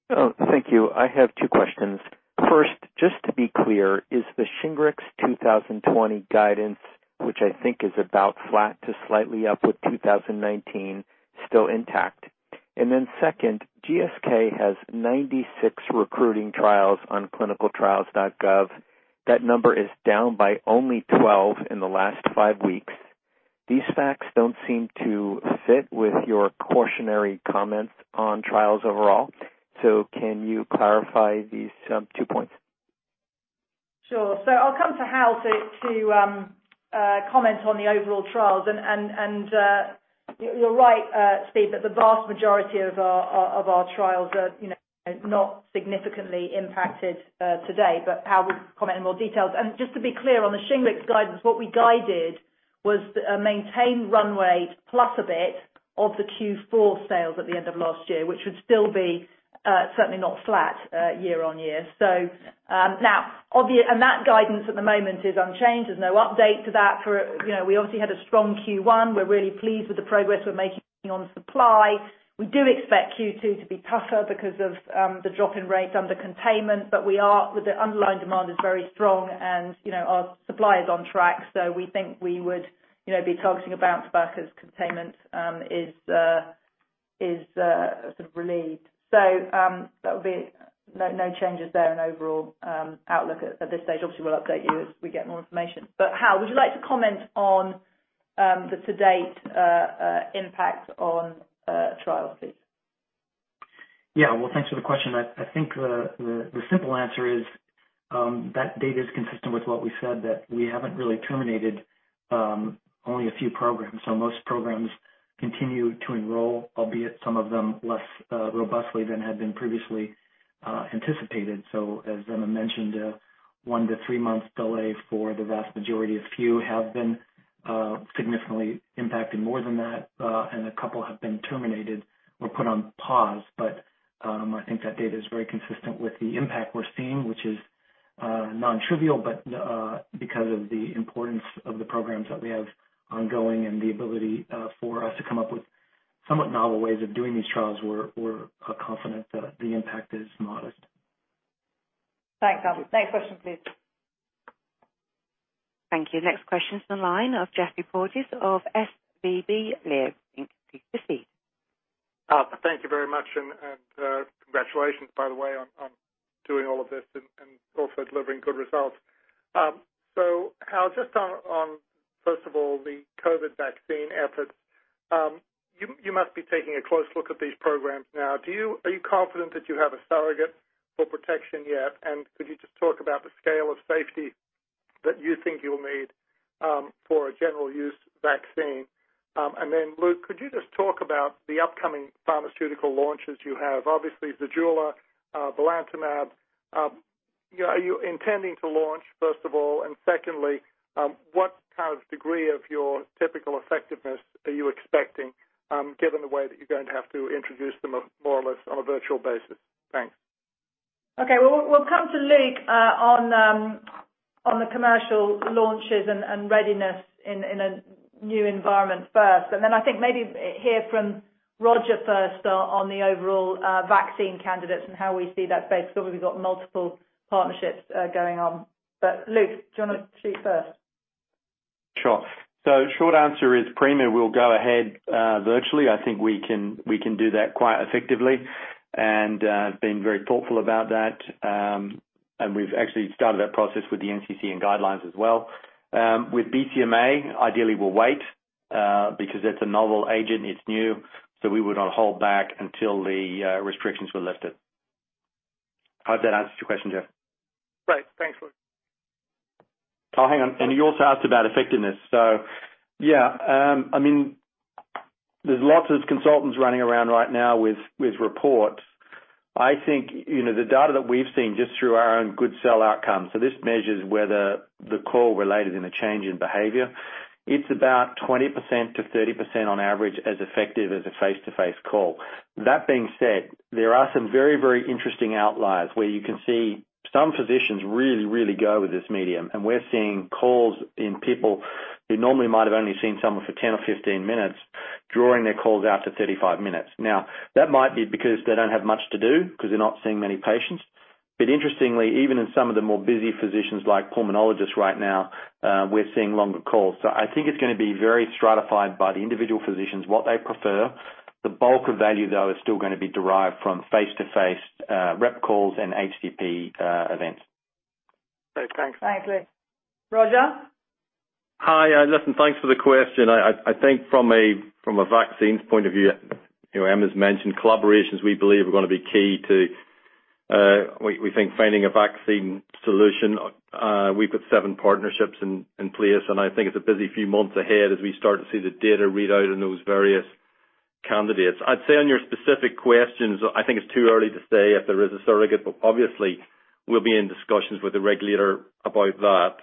Oh, thank you. I have two questions. First, just to be clear, is the SHINGRIX 2020 guidance, which I think is about flat to slightly up with 2019, still intact? Second, GSK has 96 recruiting trials on clinicaltrials.gov. That number is down by only 12 in the last five weeks. These facts don't seem to fit with your cautionary comments on trials overall. Can you clarify these two points? Sure. I'll come to Hal to comment on the overall trials. You're right, Steve, that the vast majority of our trials are not significantly impacted today, but Hal will comment in more details. Just to be clear, on the SHINGRIX guidance, what we guided was a maintained runway plus a bit of the Q4 sales at the end of last year, which would still be certainly not flat year-over-year. That guidance at the moment is unchanged. There's no update to that. We obviously had a strong Q1. We're really pleased with the progress we're making on supply. We do expect Q2 to be tougher because of the drop in rates under containment, but the underlying demand is very strong and our supply is on track. We think we would be targeting a bounce back as containment is sort of relieved. No changes there in overall outlook at this stage. Obviously, we'll update you as we get more information. Hal, would you like to comment on the to-date impact on trials, please? Yeah. Well, thanks for the question. I think the simple answer is that data is consistent with what we said that we haven't really terminated only a few programs. Most programs continue to enroll, albeit some of them less robustly than had been previously anticipated. As Emma mentioned, a one to three-month delay for the vast majority of Q have been significantly impacted more than that, and a couple have been terminated or put on pause. I think that data is very consistent with the impact we're seeing, which is non-trivial, but because of the importance of the programs that we have ongoing and the ability for us to come up with somewhat novel ways of doing these trials, we're confident that the impact is modest. Thanks, Hal. Next question, please. Thank you. Next question is on the line of Geoffrey Porges of SVB Leerink. Please proceed. Thank you very much. Congratulations by the way on doing all of this and also delivering good results. Hal, just on, first of all, the COVID vaccine efforts. You must be taking a close look at these programs now. Are you confident that you have a surrogate for protection yet? Could you just talk about the scale of safety that you think you'll need for a general use vaccine? Luke, could you just talk about the upcoming pharmaceutical launches you have? Obviously, ZEJULA, belantamab. Are you intending to launch, first of all? Secondly, what kind of degree of your typical effectiveness are you expecting, given the way that you're going to have to introduce them off more or less on a virtual basis? Thanks. We'll come to Luke on the commercial launches and readiness in a new environment first, and then I think maybe hear from Roger first on the overall vaccine candidates and how we see that base, because obviously we've got multiple partnerships going on. Luke, do you want to speak first? Sure. Short answer is PRIMA, we'll go ahead virtually. I think we can do that quite effectively, and have been very thoughtful about that. We've actually started that process with the NCCN and guidelines as well. With BCMA, ideally we'll wait, because it's a novel agent, it's new, so we would hold back until the restrictions were lifted. I hope that answers your question, Geoff. Great. Thanks, Luke. Oh, hang on. You also asked about effectiveness. Yeah, there's lots of consultants running around right now with reports. I think the data that we've seen just through our own good cell outcomes, so this measures whether the call related in a change in behavior. It's about 20% to 30% on average as effective as a face-to-face call. That being said, there are some very, very interesting outliers where you can see some physicians really, really go with this medium, and we're seeing calls in people who normally might have only seen someone for 10 or 15 minutes, drawing their calls out to 35 minutes. Now, that might be because they don't have much to do because they're not seeing many patients. Interestingly, even in some of the more busy physicians like pulmonologists right now, we're seeing longer calls. I think it's going to be very stratified by the individual physicians, what they prefer. The bulk of value, though, is still going to be derived from face-to-face rep calls and HCP events. Great. Thanks. Thanks, Luke. Roger? Hi. Listen, thanks for the question. I think from a vaccines point of view, Emma's mentioned collaborations we believe are going to be key to, we think, finding a vaccine solution. We've got seven partnerships in place, and I think it's a busy few months ahead as we start to see the data read out on those various candidates. I'd say on your specific questions, I think it's too early to say if there is a surrogate, but obviously, we'll be in discussions with the regulator about that.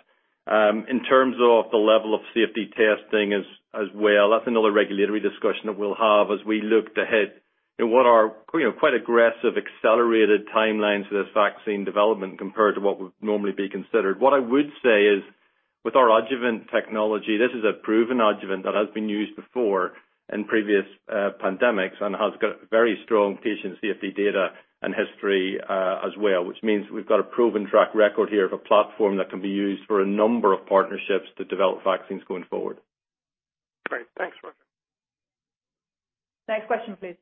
In terms of the level of safety testing as well, that's another regulatory discussion that we'll have as we look ahead in what are quite aggressive, accelerated timelines for this vaccine development compared to what would normally be considered. What I would say is, with our adjuvant technology, this is a proven adjuvant that has been used before in previous pandemics and has got very strong patient safety data and history as well, which means we've got a proven track record here of a platform that can be used for a number of partnerships to develop vaccines going forward. Great. Thanks, Roger. Next question, please.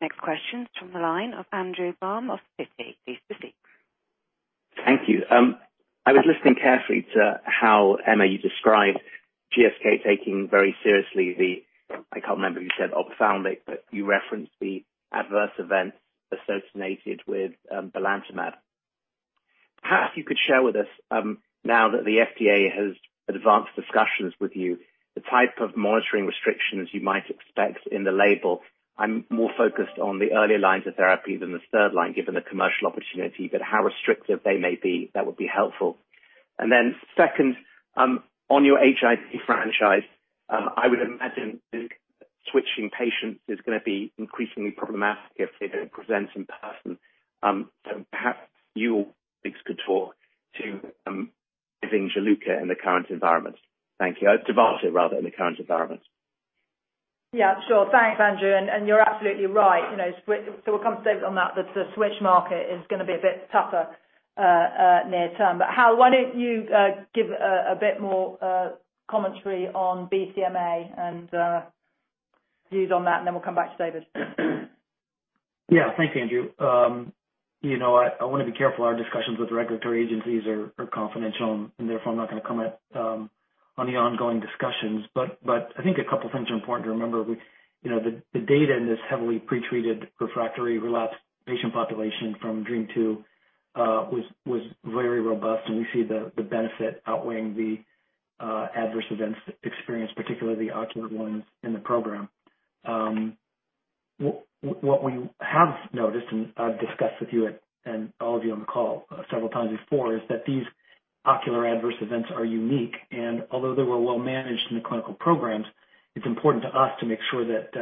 Next question is from the line of Andrew Baum of Citi. Please proceed. Thank you. I was listening carefully to how, Emma, you described GSK taking very seriously the, I can't remember if you said ophthalmic, but you referenced the adverse events associated with belantamab. Perhaps you could share with us, now that the FDA has advanced discussions with you, the type of monitoring restrictions you might expect in the label. I'm more focused on the earlier lines of therapy than the third line, given the commercial opportunity, but how restrictive they may be, that would be helpful. Second, on your HIV franchise, I would imagine switching patients is going to be increasingly problematic if they don't present in person. Perhaps you or David could talk to giving Juluca in the current environment. Thank you. Dovato rather, in the current environment. Yeah, sure. Thanks, Andrew. You're absolutely right. We're confident on that the switch market is going to be a bit tougher near term. Hal, why don't you give a bit more commentary on BCMA and views on that, then we'll come back to David. Yeah. Thanks, Andrew. I want to be careful. Our discussions with regulatory agencies are confidential, and therefore, I'm not going to comment on the ongoing discussions. I think a couple things are important to remember. The data in this heavily pretreated, refractory, relapsed patient population from DREAMM-2 was very robust, and we see the benefit outweighing the adverse events experienced, particularly the ocular ones in the program. What we have noticed, and I've discussed with you and all of you on the call several times before, is that these ocular adverse events are unique, and although they were well managed in the clinical programs, it's important to us to make sure that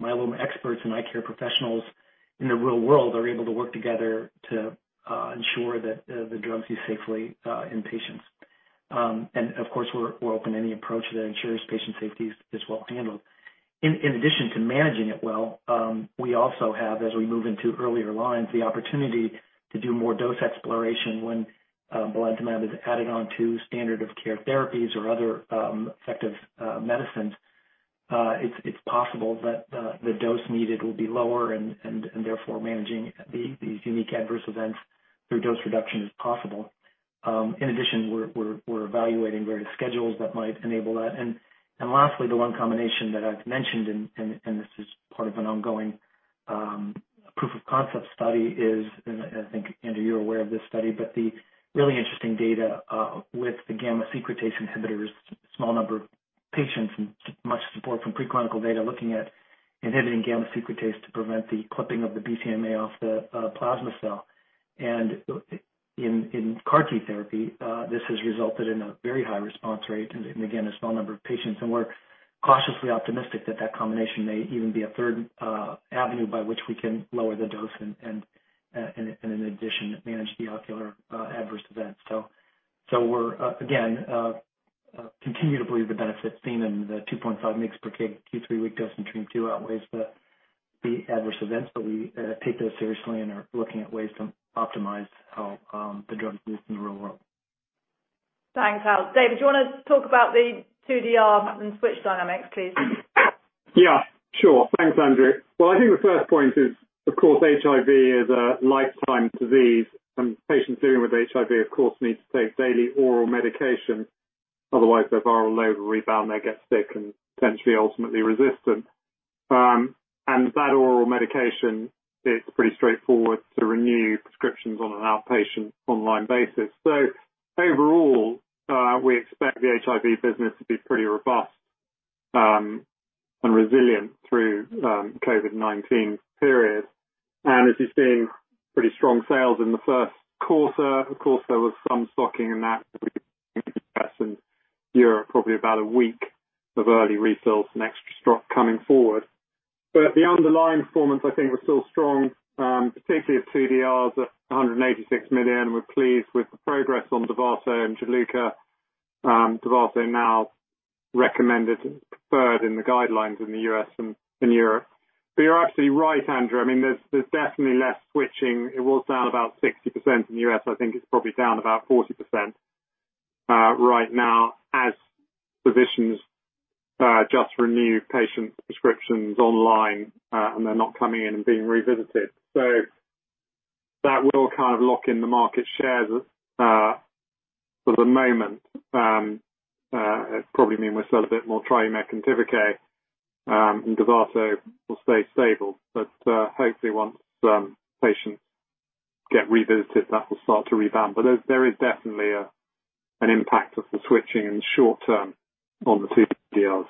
myeloma experts and eye care professionals in the real world are able to work together to ensure that the drug's used safely in patients. Of course, we're open to any approach that ensures patient safety is well handled. In addition to managing it well, we also have, as we move into earlier lines, the opportunity to do more dose exploration when belantamab is added on to standard of care therapies or other effective medicines. It's possible that the dose needed will be lower and therefore managing these unique adverse events through dose reduction is possible. In addition, we're evaluating various schedules that might enable that. Lastly, the one combination that I've mentioned, and this is part of an ongoing proof of concept study is, I think, Andrew, you're aware of this study, the really interesting data with the gamma secretase inhibitors, small number of patients and much support from pre-clinical data looking at inhibiting gamma secretase to prevent the clipping of the BCMA off the plasma cell. In CAR T therapy, this has resulted in a very high response rate and again, a small number of patients, and we're cautiously optimistic that that combination may even be a third avenue by which we can lower the dose and in addition, manage the ocular adverse events. We again continue to believe the benefit seen in the 2.5 mgs per kg, two-three week dose in DREAMM-2 outweighs the adverse events. We take those seriously and are looking at ways to optimize how the drug is used in the real world. Thanks, Hal. David, do you want to talk about the 2DR and switch dynamics, please? Yeah, sure. Thanks, Andrew. Well, I think the first point is, of course, HIV is a lifetime disease. Patients dealing with HIV, of course, need to take daily oral medication, otherwise their viral load will rebound, they'll get sick and potentially ultimately resistant. That oral medication, it's pretty straightforward to renew prescriptions on an outpatient online basis. Overall, we expect the HIV business to be pretty robust and resilient through COVID-19 period. As you're seeing, pretty strong sales in the first quarter. Of course, there was some stocking in that in Europe, probably about a week of early refills and extra stock coming forward. The underlying performance, I think, was still strong, particularly of 2DRs 186 million. We're pleased with the progress on DOVATO and JULUCA. It's also now recommended and preferred in the guidelines in the U.S. and in Europe. You're absolutely right, Andrew. There's definitely less switching. It was down about 60% in the U.S. I think it's probably down about 40% right now as physicians just renew patients' prescriptions online, and they're not coming in and being revisited. That'll kind of lock in the market shares for the moment. It probably means we sell a bit more TRIUMEQ and TIVICAY, and DOVATO will stay stable. Hopefully, once patients get revisited, that'll start to rebound. There is definitely an impact of the switching in the short term on the 2DRs.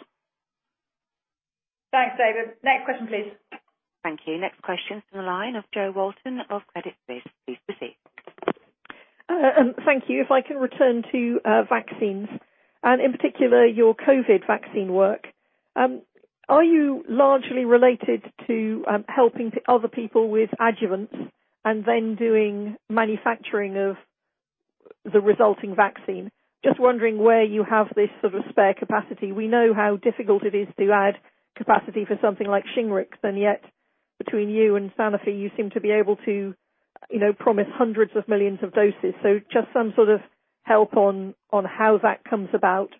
Thanks, David. Next question, please. Thank you. Next question is from the line of Jo Walton of Credit Suisse. Please proceed. Thank you. If I can return to vaccines, in particular, your COVID vaccine work. Are you largely related to helping other people with adjuvants and then doing manufacturing of the resulting vaccine? Just wondering where you have this sort of spare capacity. We know how difficult it is to add capacity for something like SHINGRIX, yet between you and Sanofi, you seem to be able to promise hundreds of millions of doses. Just some sort of help on how that comes about.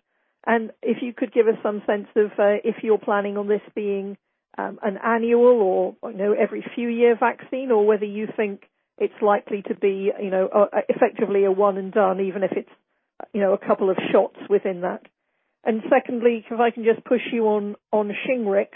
If you could give us some sense of if you're planning on this being an annual or every few year vaccine or whether you think it's likely to be effectively a one and done, even if it's a couple of shots within that. Secondly, if I can just push you on SHINGRIX.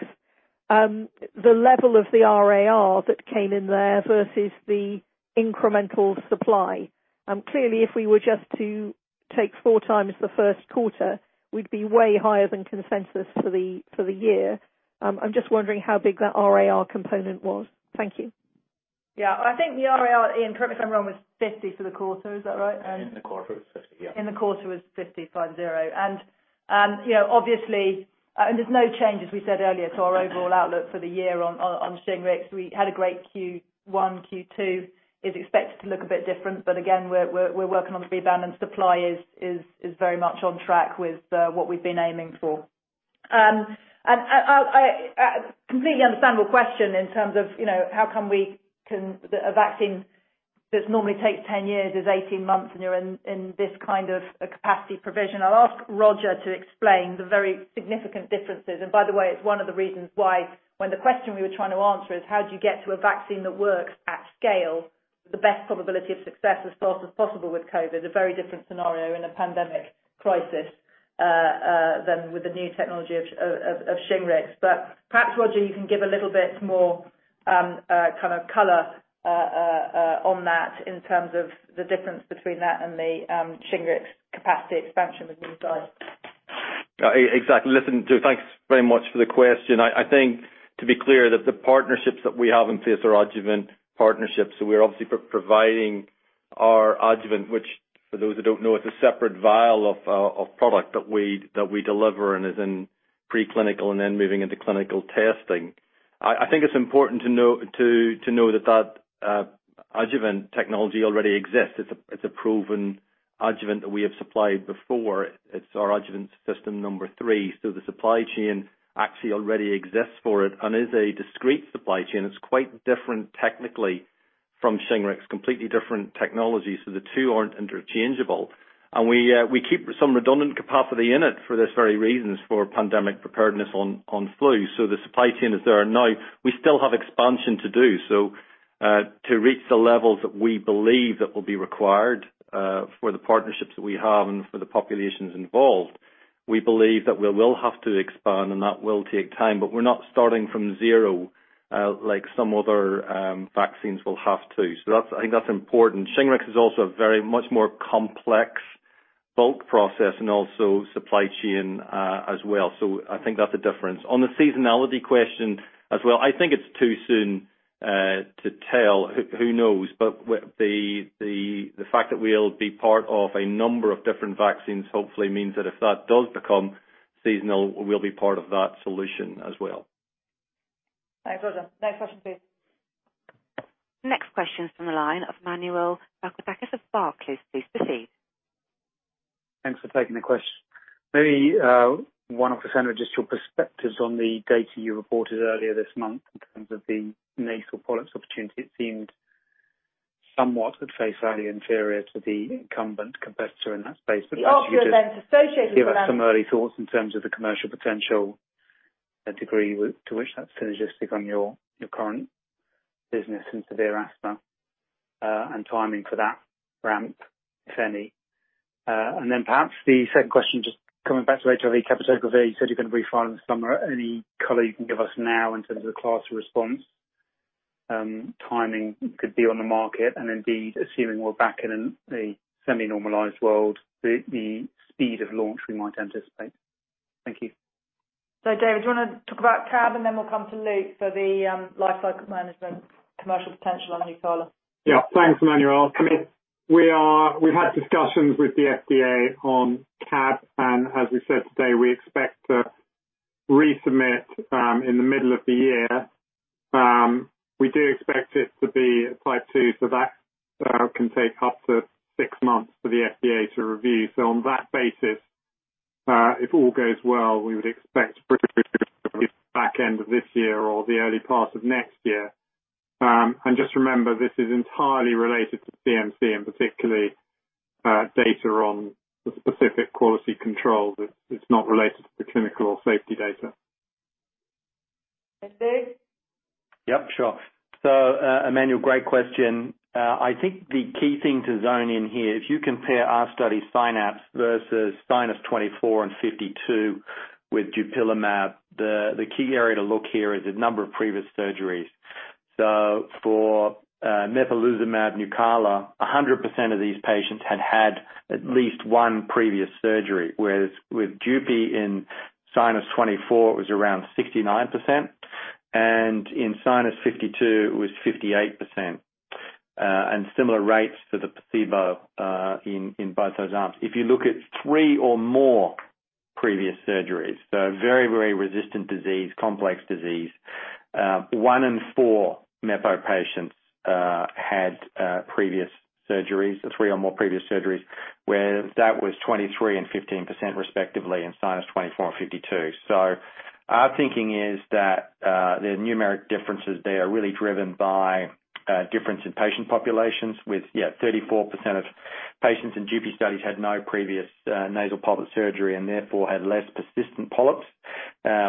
The level of the RAR that came in there versus the incremental supply. Clearly, if we were just to take four times the first quarter, we'd be way higher than consensus for the year. I'm just wondering how big that RAR component was. Thank you. Yeah, I think the RAR, Iain, correct me if I'm wrong, was 50 for the quarter. Is that right? In the quarter, it was 50, yeah. In the quarter, it was 50. Obviously, there's no change, as we said earlier, to our overall outlook for the year on SHINGRIX. We had a great Q1. Q2 is expected to look a bit different. Again, we're working on the rebound, and supply is very much on track with what we've been aiming for. I completely understand your question in terms of how come a vaccine that normally takes 10 years is 18 months, and you're in this kind of a capacity provision. I'll ask Roger to explain the very significant differences. By the way, it's one of the reasons why when the question we were trying to answer is how do you get to a vaccine that works at scale, the best probability of success as fast as possible with COVID, a very different scenario in a pandemic crisis than with the new technology of SHINGRIX. Perhaps, Roger, you can give a little bit more kind of color on that in terms of the difference between that and the SHINGRIX capacity expansion that you described. Exactly. Listen, Jo, thanks very much for the question. I think to be clear that the partnerships that we have in place are adjuvant partnerships. We're obviously providing our adjuvant, which, for those that don't know, it's a separate vial of product that we deliver and is in pre-clinical and then moving into clinical testing. I think it's important to know that adjuvant technology already exists. It's a proven adjuvant that we have supplied before. It's our adjuvant system number three. The supply chain actually already exists for it and is a discrete supply chain. It's quite different technically from SHINGRIX, completely different technology. The two aren't interchangeable. We keep some redundant capacity in it for this very reason, is for pandemic preparedness on flu. The supply chain is there now. We still have expansion to do. To reach the levels that we believe that will be required for the partnerships that we have and for the populations involved, we believe that we will have to expand, and that will take time. We're not starting from zero like some other vaccines will have to. I think that's important. SHINGRIX is also a very much more complex bulk process and also supply chain as well. I think that's a difference. On the seasonality question as well, I think it's too soon to tell. Who knows? The fact that we'll be part of a number of different vaccines hopefully means that if that does become seasonal, we'll be part of that solution as well. Thanks, Roger. Next question, please. Next question is from the line of Emmanuel Papadakis of Barclays. Please proceed. Thanks for taking the question. Maybe one off the center, just your perspectives on the data you reported earlier this month in terms of the nasal polyps opportunity. It seemed somewhat at face value inferior to the incumbent competitor in that space. The adverse events associated with that. Give us some early thoughts in terms of the commercial potential, a degree to which that's synergistic on your current business in severe asthma and timing for that ramp, if any. Then perhaps the second question, just coming back to HIV cabotegravir. You said you're going to refile in the summer. Any color you can give us now in terms of the class response, timing could be on the market, and indeed, assuming we're back in a semi-normalized world, the speed of launch we might anticipate. Thank you. David, do you want to talk about CAB, and then we'll come to Luke for the lifecycle management commercial potential on NUCALA? Thanks, Emmanuel. We've had discussions with the FDA on CAB, and as we said today, we expect to resubmit in the middle of the year. We do expect it to be a type two, that can take up to six months for the FDA to review. On that basis, if all goes well, we would expect back-end of this year or the early part of next year. Just remember, this is entirely related to CMC and particularly, data on the specific quality control. It's not related to the clinical or safety data. Luke? Yep, sure. Emmanuel, great question. I think the key thing to zone in here, if you compare our study SINUS-24 versus SINUS-24 and SINUS-52 with dupilumab, the key area to look here is the number of previous surgeries. For mepolizumab NUCALA, 100% of these patients had had at least one previous surgery, whereas with dupilumab in SINUS-24, it was around 69%, and in SINUS-52, it was 58%. Similar rates for the placebo in both those arms. If you look at three or more previous surgeries, so very resistant disease, complex disease, one in four mepo patients had previous surgeries, three or more previous surgeries, whereas that was 23% and 15% respectively in SINUS-24 and SINUS-52. Our thinking is that, the numeric differences there are really driven by a difference in patient populations with, yeah, 34% of patients in dupilumab studies had no previous nasal polyp surgery and therefore had less persistent polyps,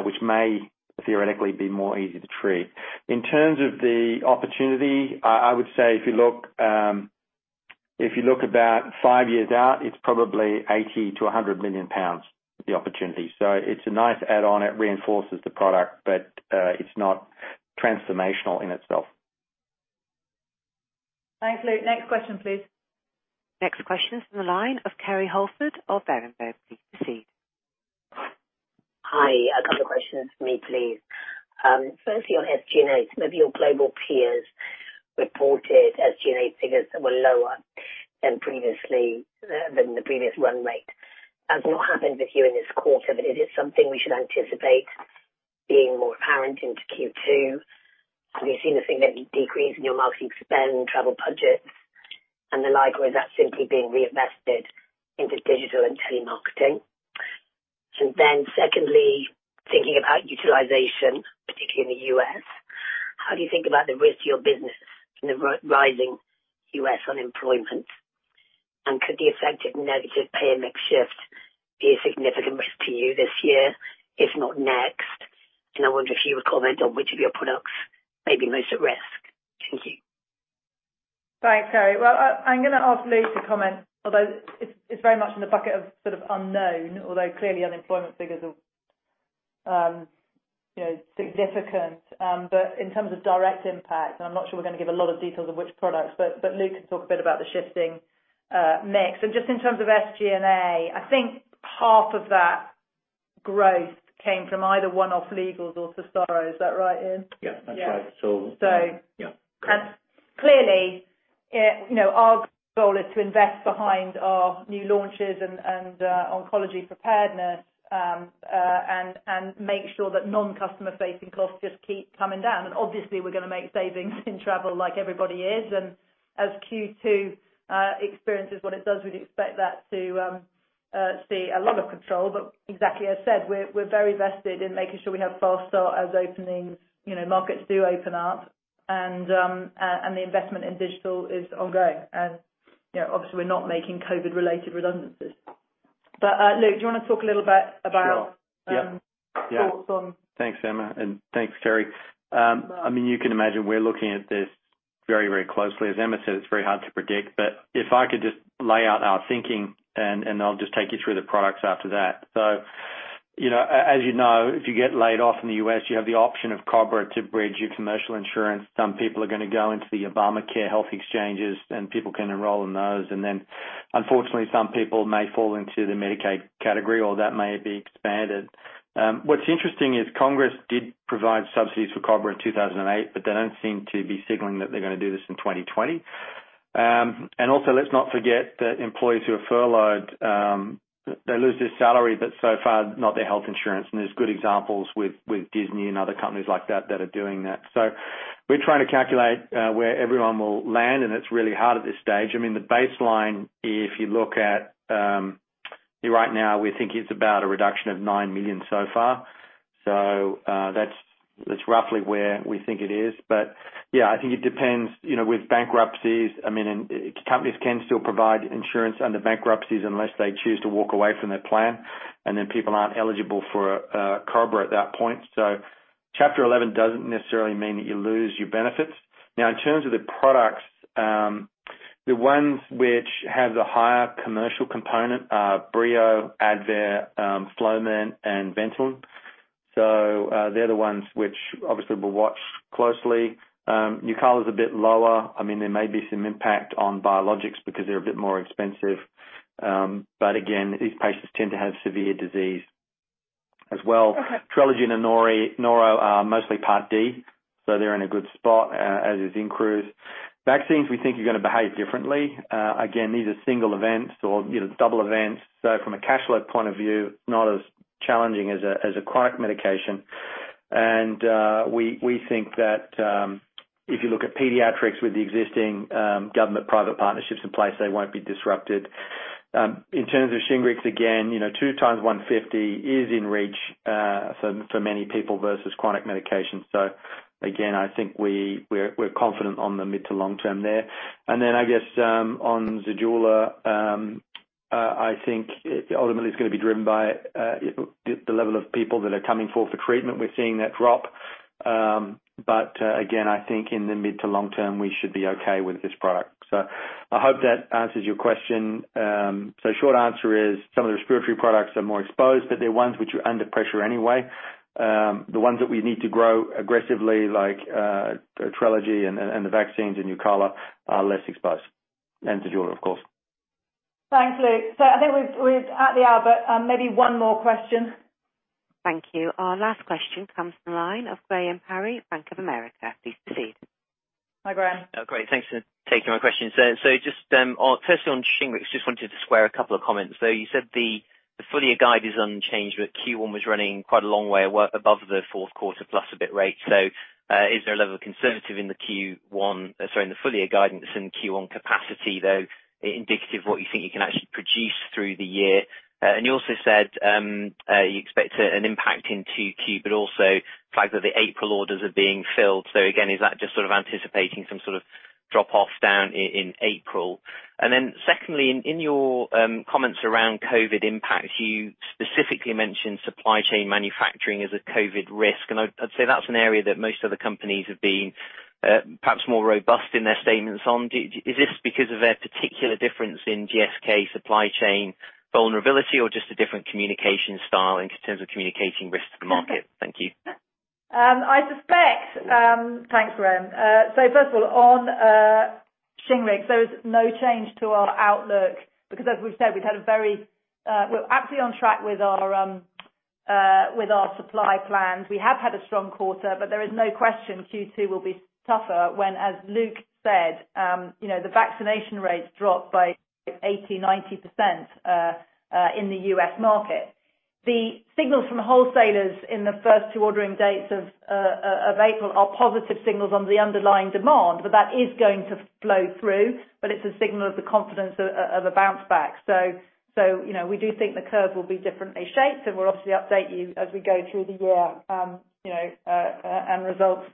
which may theoretically be more easy to treat. In terms of the opportunity, I would say if you look about five years out, it's probably 80 million-100 million pounds, the opportunity. It's a nice add-on. It reinforces the product, but it's not transformational in itself. Thanks, Luke. Next question, please. Next question is from the line of Kerry Holford of Berenberg. Please proceed. Hi. A couple of questions for me, please. Firstly, on SG&A, some of your global peers reported SG&A figures that were lower than the previous run rate. That's not happened with you in this quarter, but is it something we should anticipate being more apparent into Q2? Have you seen a significant decrease in your marketing spend, travel budgets, and the like, or is that simply being reinvested into digital and telemarketing? Secondly, thinking about utilization, particularly in the U.S., how do you think about the risk to your business and the rising U.S. unemployment? Could the effective negative pay and mix shift be a significant risk to you this year, if not next? I wonder if you would comment on which of your products may be most at risk. Thank you. Thanks, Kerry. Well, I'm going to ask Luke to comment, although it's very much in the bucket of sort of unknown. Clearly unemployment figures are significant. In terms of direct impact, I'm not sure we're going to give a lot of details on which products. Luke can talk a bit about the shifting mix. Just in terms of SG&A, I think half of that growth came from either one-off legals or Fast Start. Is that right, Iain? Yeah, that's right. Yeah. Correct. Clearly, our goal is to invest behind our new launches and oncology preparedness, and make sure that non-customer facing costs just keep coming down. Obviously we're going to make savings in travel like everybody is. As Q2 experiences what it does, we'd expect that to see a lot of control. Exactly as I said, we're very vested in making sure we have Fast Start as openings, markets do open up and the investment in digital is ongoing. Obviously we're not making COVID related redundancies. Luke, do you want to talk a little bit about thoughts on. Sure. Yep Thanks, Emma, and thanks, Kerry. You can imagine we're looking at this very closely. As Emma said, it's very hard to predict. If I could just lay out our thinking, and I'll just take you through the products after that. As you know, if you get laid off in the U.S., you have the option of COBRA to bridge your commercial insurance. Some people are going to go into the Obamacare health exchanges, and people can enroll in those. Unfortunately, some people may fall into the Medicaid category, or that may be expanded. What's interesting is Congress did provide subsidies for COBRA in 2008, they don't seem to be signaling that they're going to do this in 2020. Also let's not forget that employees who are furloughed, they lose their salary, so far not their health insurance. There's good examples with Disney and other companies like that that are doing that. We're trying to calculate where everyone will land, and it's really hard at this stage. The baseline, if you look at right now, we're thinking it's about a reduction of nine million so far. That's roughly where we think it is. Yeah, I think it depends. With bankruptcies, companies can still provide insurance under bankruptcies unless they choose to walk away from their plan, and then people aren't eligible for COBRA at that point. Chapter 11 doesn't necessarily mean that you lose your benefits. In terms of the products, the ones which have the higher commercial component are Breo, ADVAIR, FLOVENT, and VENTOLIN. They're the ones which obviously will watch closely. NUCALA is a bit lower. There may be some impact on biologics because they're a bit more expensive. Again, these patients tend to have severe disease as well. TRELEGY and Anoro are mostly Part D. They're in a good spot, as is INCRUSE. Vaccines, we think, are going to behave differently. Again, these are single events or double events. From a cash flow point of view, not as challenging as a chronic medication. We think that if you look at pediatrics with the existing government-private partnerships in place, they won't be disrupted. In terms of SHINGRIX, again, two times 150 is in reach for many people versus chronic medications. Again, I think we're confident on the mid to long term there. Then I guess on ZEJULA, I think ultimately it's going to be driven by the level of people that are coming forward for treatment. We're seeing that drop. Again, I think in the mid to long term, we should be okay with this product. I hope that answers your question. Short answer is some of the respiratory products are more exposed, but they're ones which are under pressure anyway. The ones that we need to grow aggressively, like TRELEGY and the vaccines and NUCALA, are less exposed. ZEJULA, of course. Thanks, Luke. I think we're at the hour, but maybe one more question. Thank you. Our last question comes from the line of Graham Parry, Bank of America. Please proceed. Hi, Graham. Oh, great. Thanks for taking my question. Just firstly on SHINGRIX, just wanted to square a couple of comments there. You said the full year guide is unchanged, Q1 was running quite a long way above the fourth quarter plus a bit rate. Is there a level of conservative in the Q1, sorry, in the full year guidance in Q1 capacity, though, indicative of what you think you can actually produce through the year? You also said you expect an impact in 2Q, but also the fact that the April orders are being filled. Again, is that just sort of anticipating some sort of drop off down in April? Then secondly, in your comments around COVID impacts, you specifically mentioned supply chain manufacturing as a COVID risk. I'd say that's an area that most other companies have been perhaps more robust in their statements on. Is this because of a particular difference in GSK supply chain vulnerability or just a different communication style in terms of communicating risk to the market? Thank you. Thanks, Graham. First of all, on SHINGRIX, there is no change to our outlook because as we've said, we're absolutely on track with our supply plans. We have had a strong quarter, there is no question Q2 will be tougher when, as Luke said, the vaccination rates drop by 80%, 90% in the U.S. market. The signals from wholesalers in the first two ordering dates of April are positive signals on the underlying demand, that is going to flow through, it's a signal of the confidence of a bounce back. We do think the curve will be differently shaped, and we'll obviously update you as we go through the year and results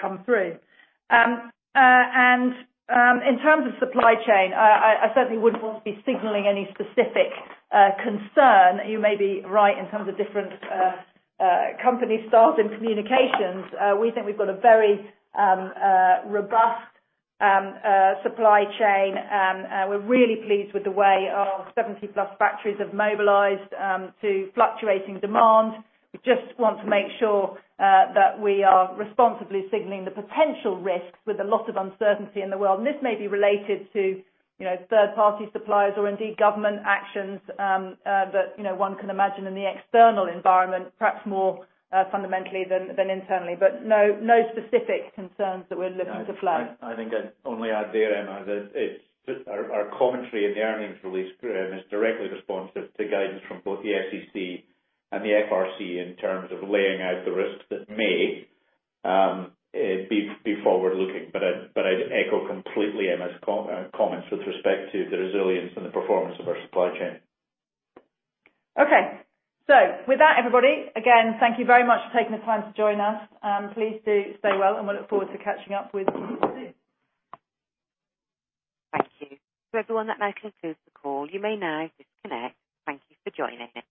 come through. In terms of supply chain, I certainly wouldn't want to be signaling any specific concern. You may be right in terms of different company styles in communications. We think we've got a very robust supply chain. We're really pleased with the way our 70+ factories have mobilized to fluctuating demand. We just want to make sure that we are responsibly signaling the potential risks with a lot of uncertainty in the world. This may be related to third-party suppliers or indeed government actions that one can imagine in the external environment, perhaps more fundamentally than internally. No specific concerns that we're looking to flag. I think I'd only add there, Emma, that our commentary in the earnings release, Graham, is directly responsive to guidance from both the SEC and the FRC in terms of laying out the risks that may be forward-looking. I'd echo completely Emma's comments with respect to the resilience and the performance of our supply chain. Okay. With that, everybody, again, thank you very much for taking the time to join us. Please do stay well, and we look forward to catching up with you soon. Thank you. To everyone that now concludes the call, you may now disconnect. Thank you for joining.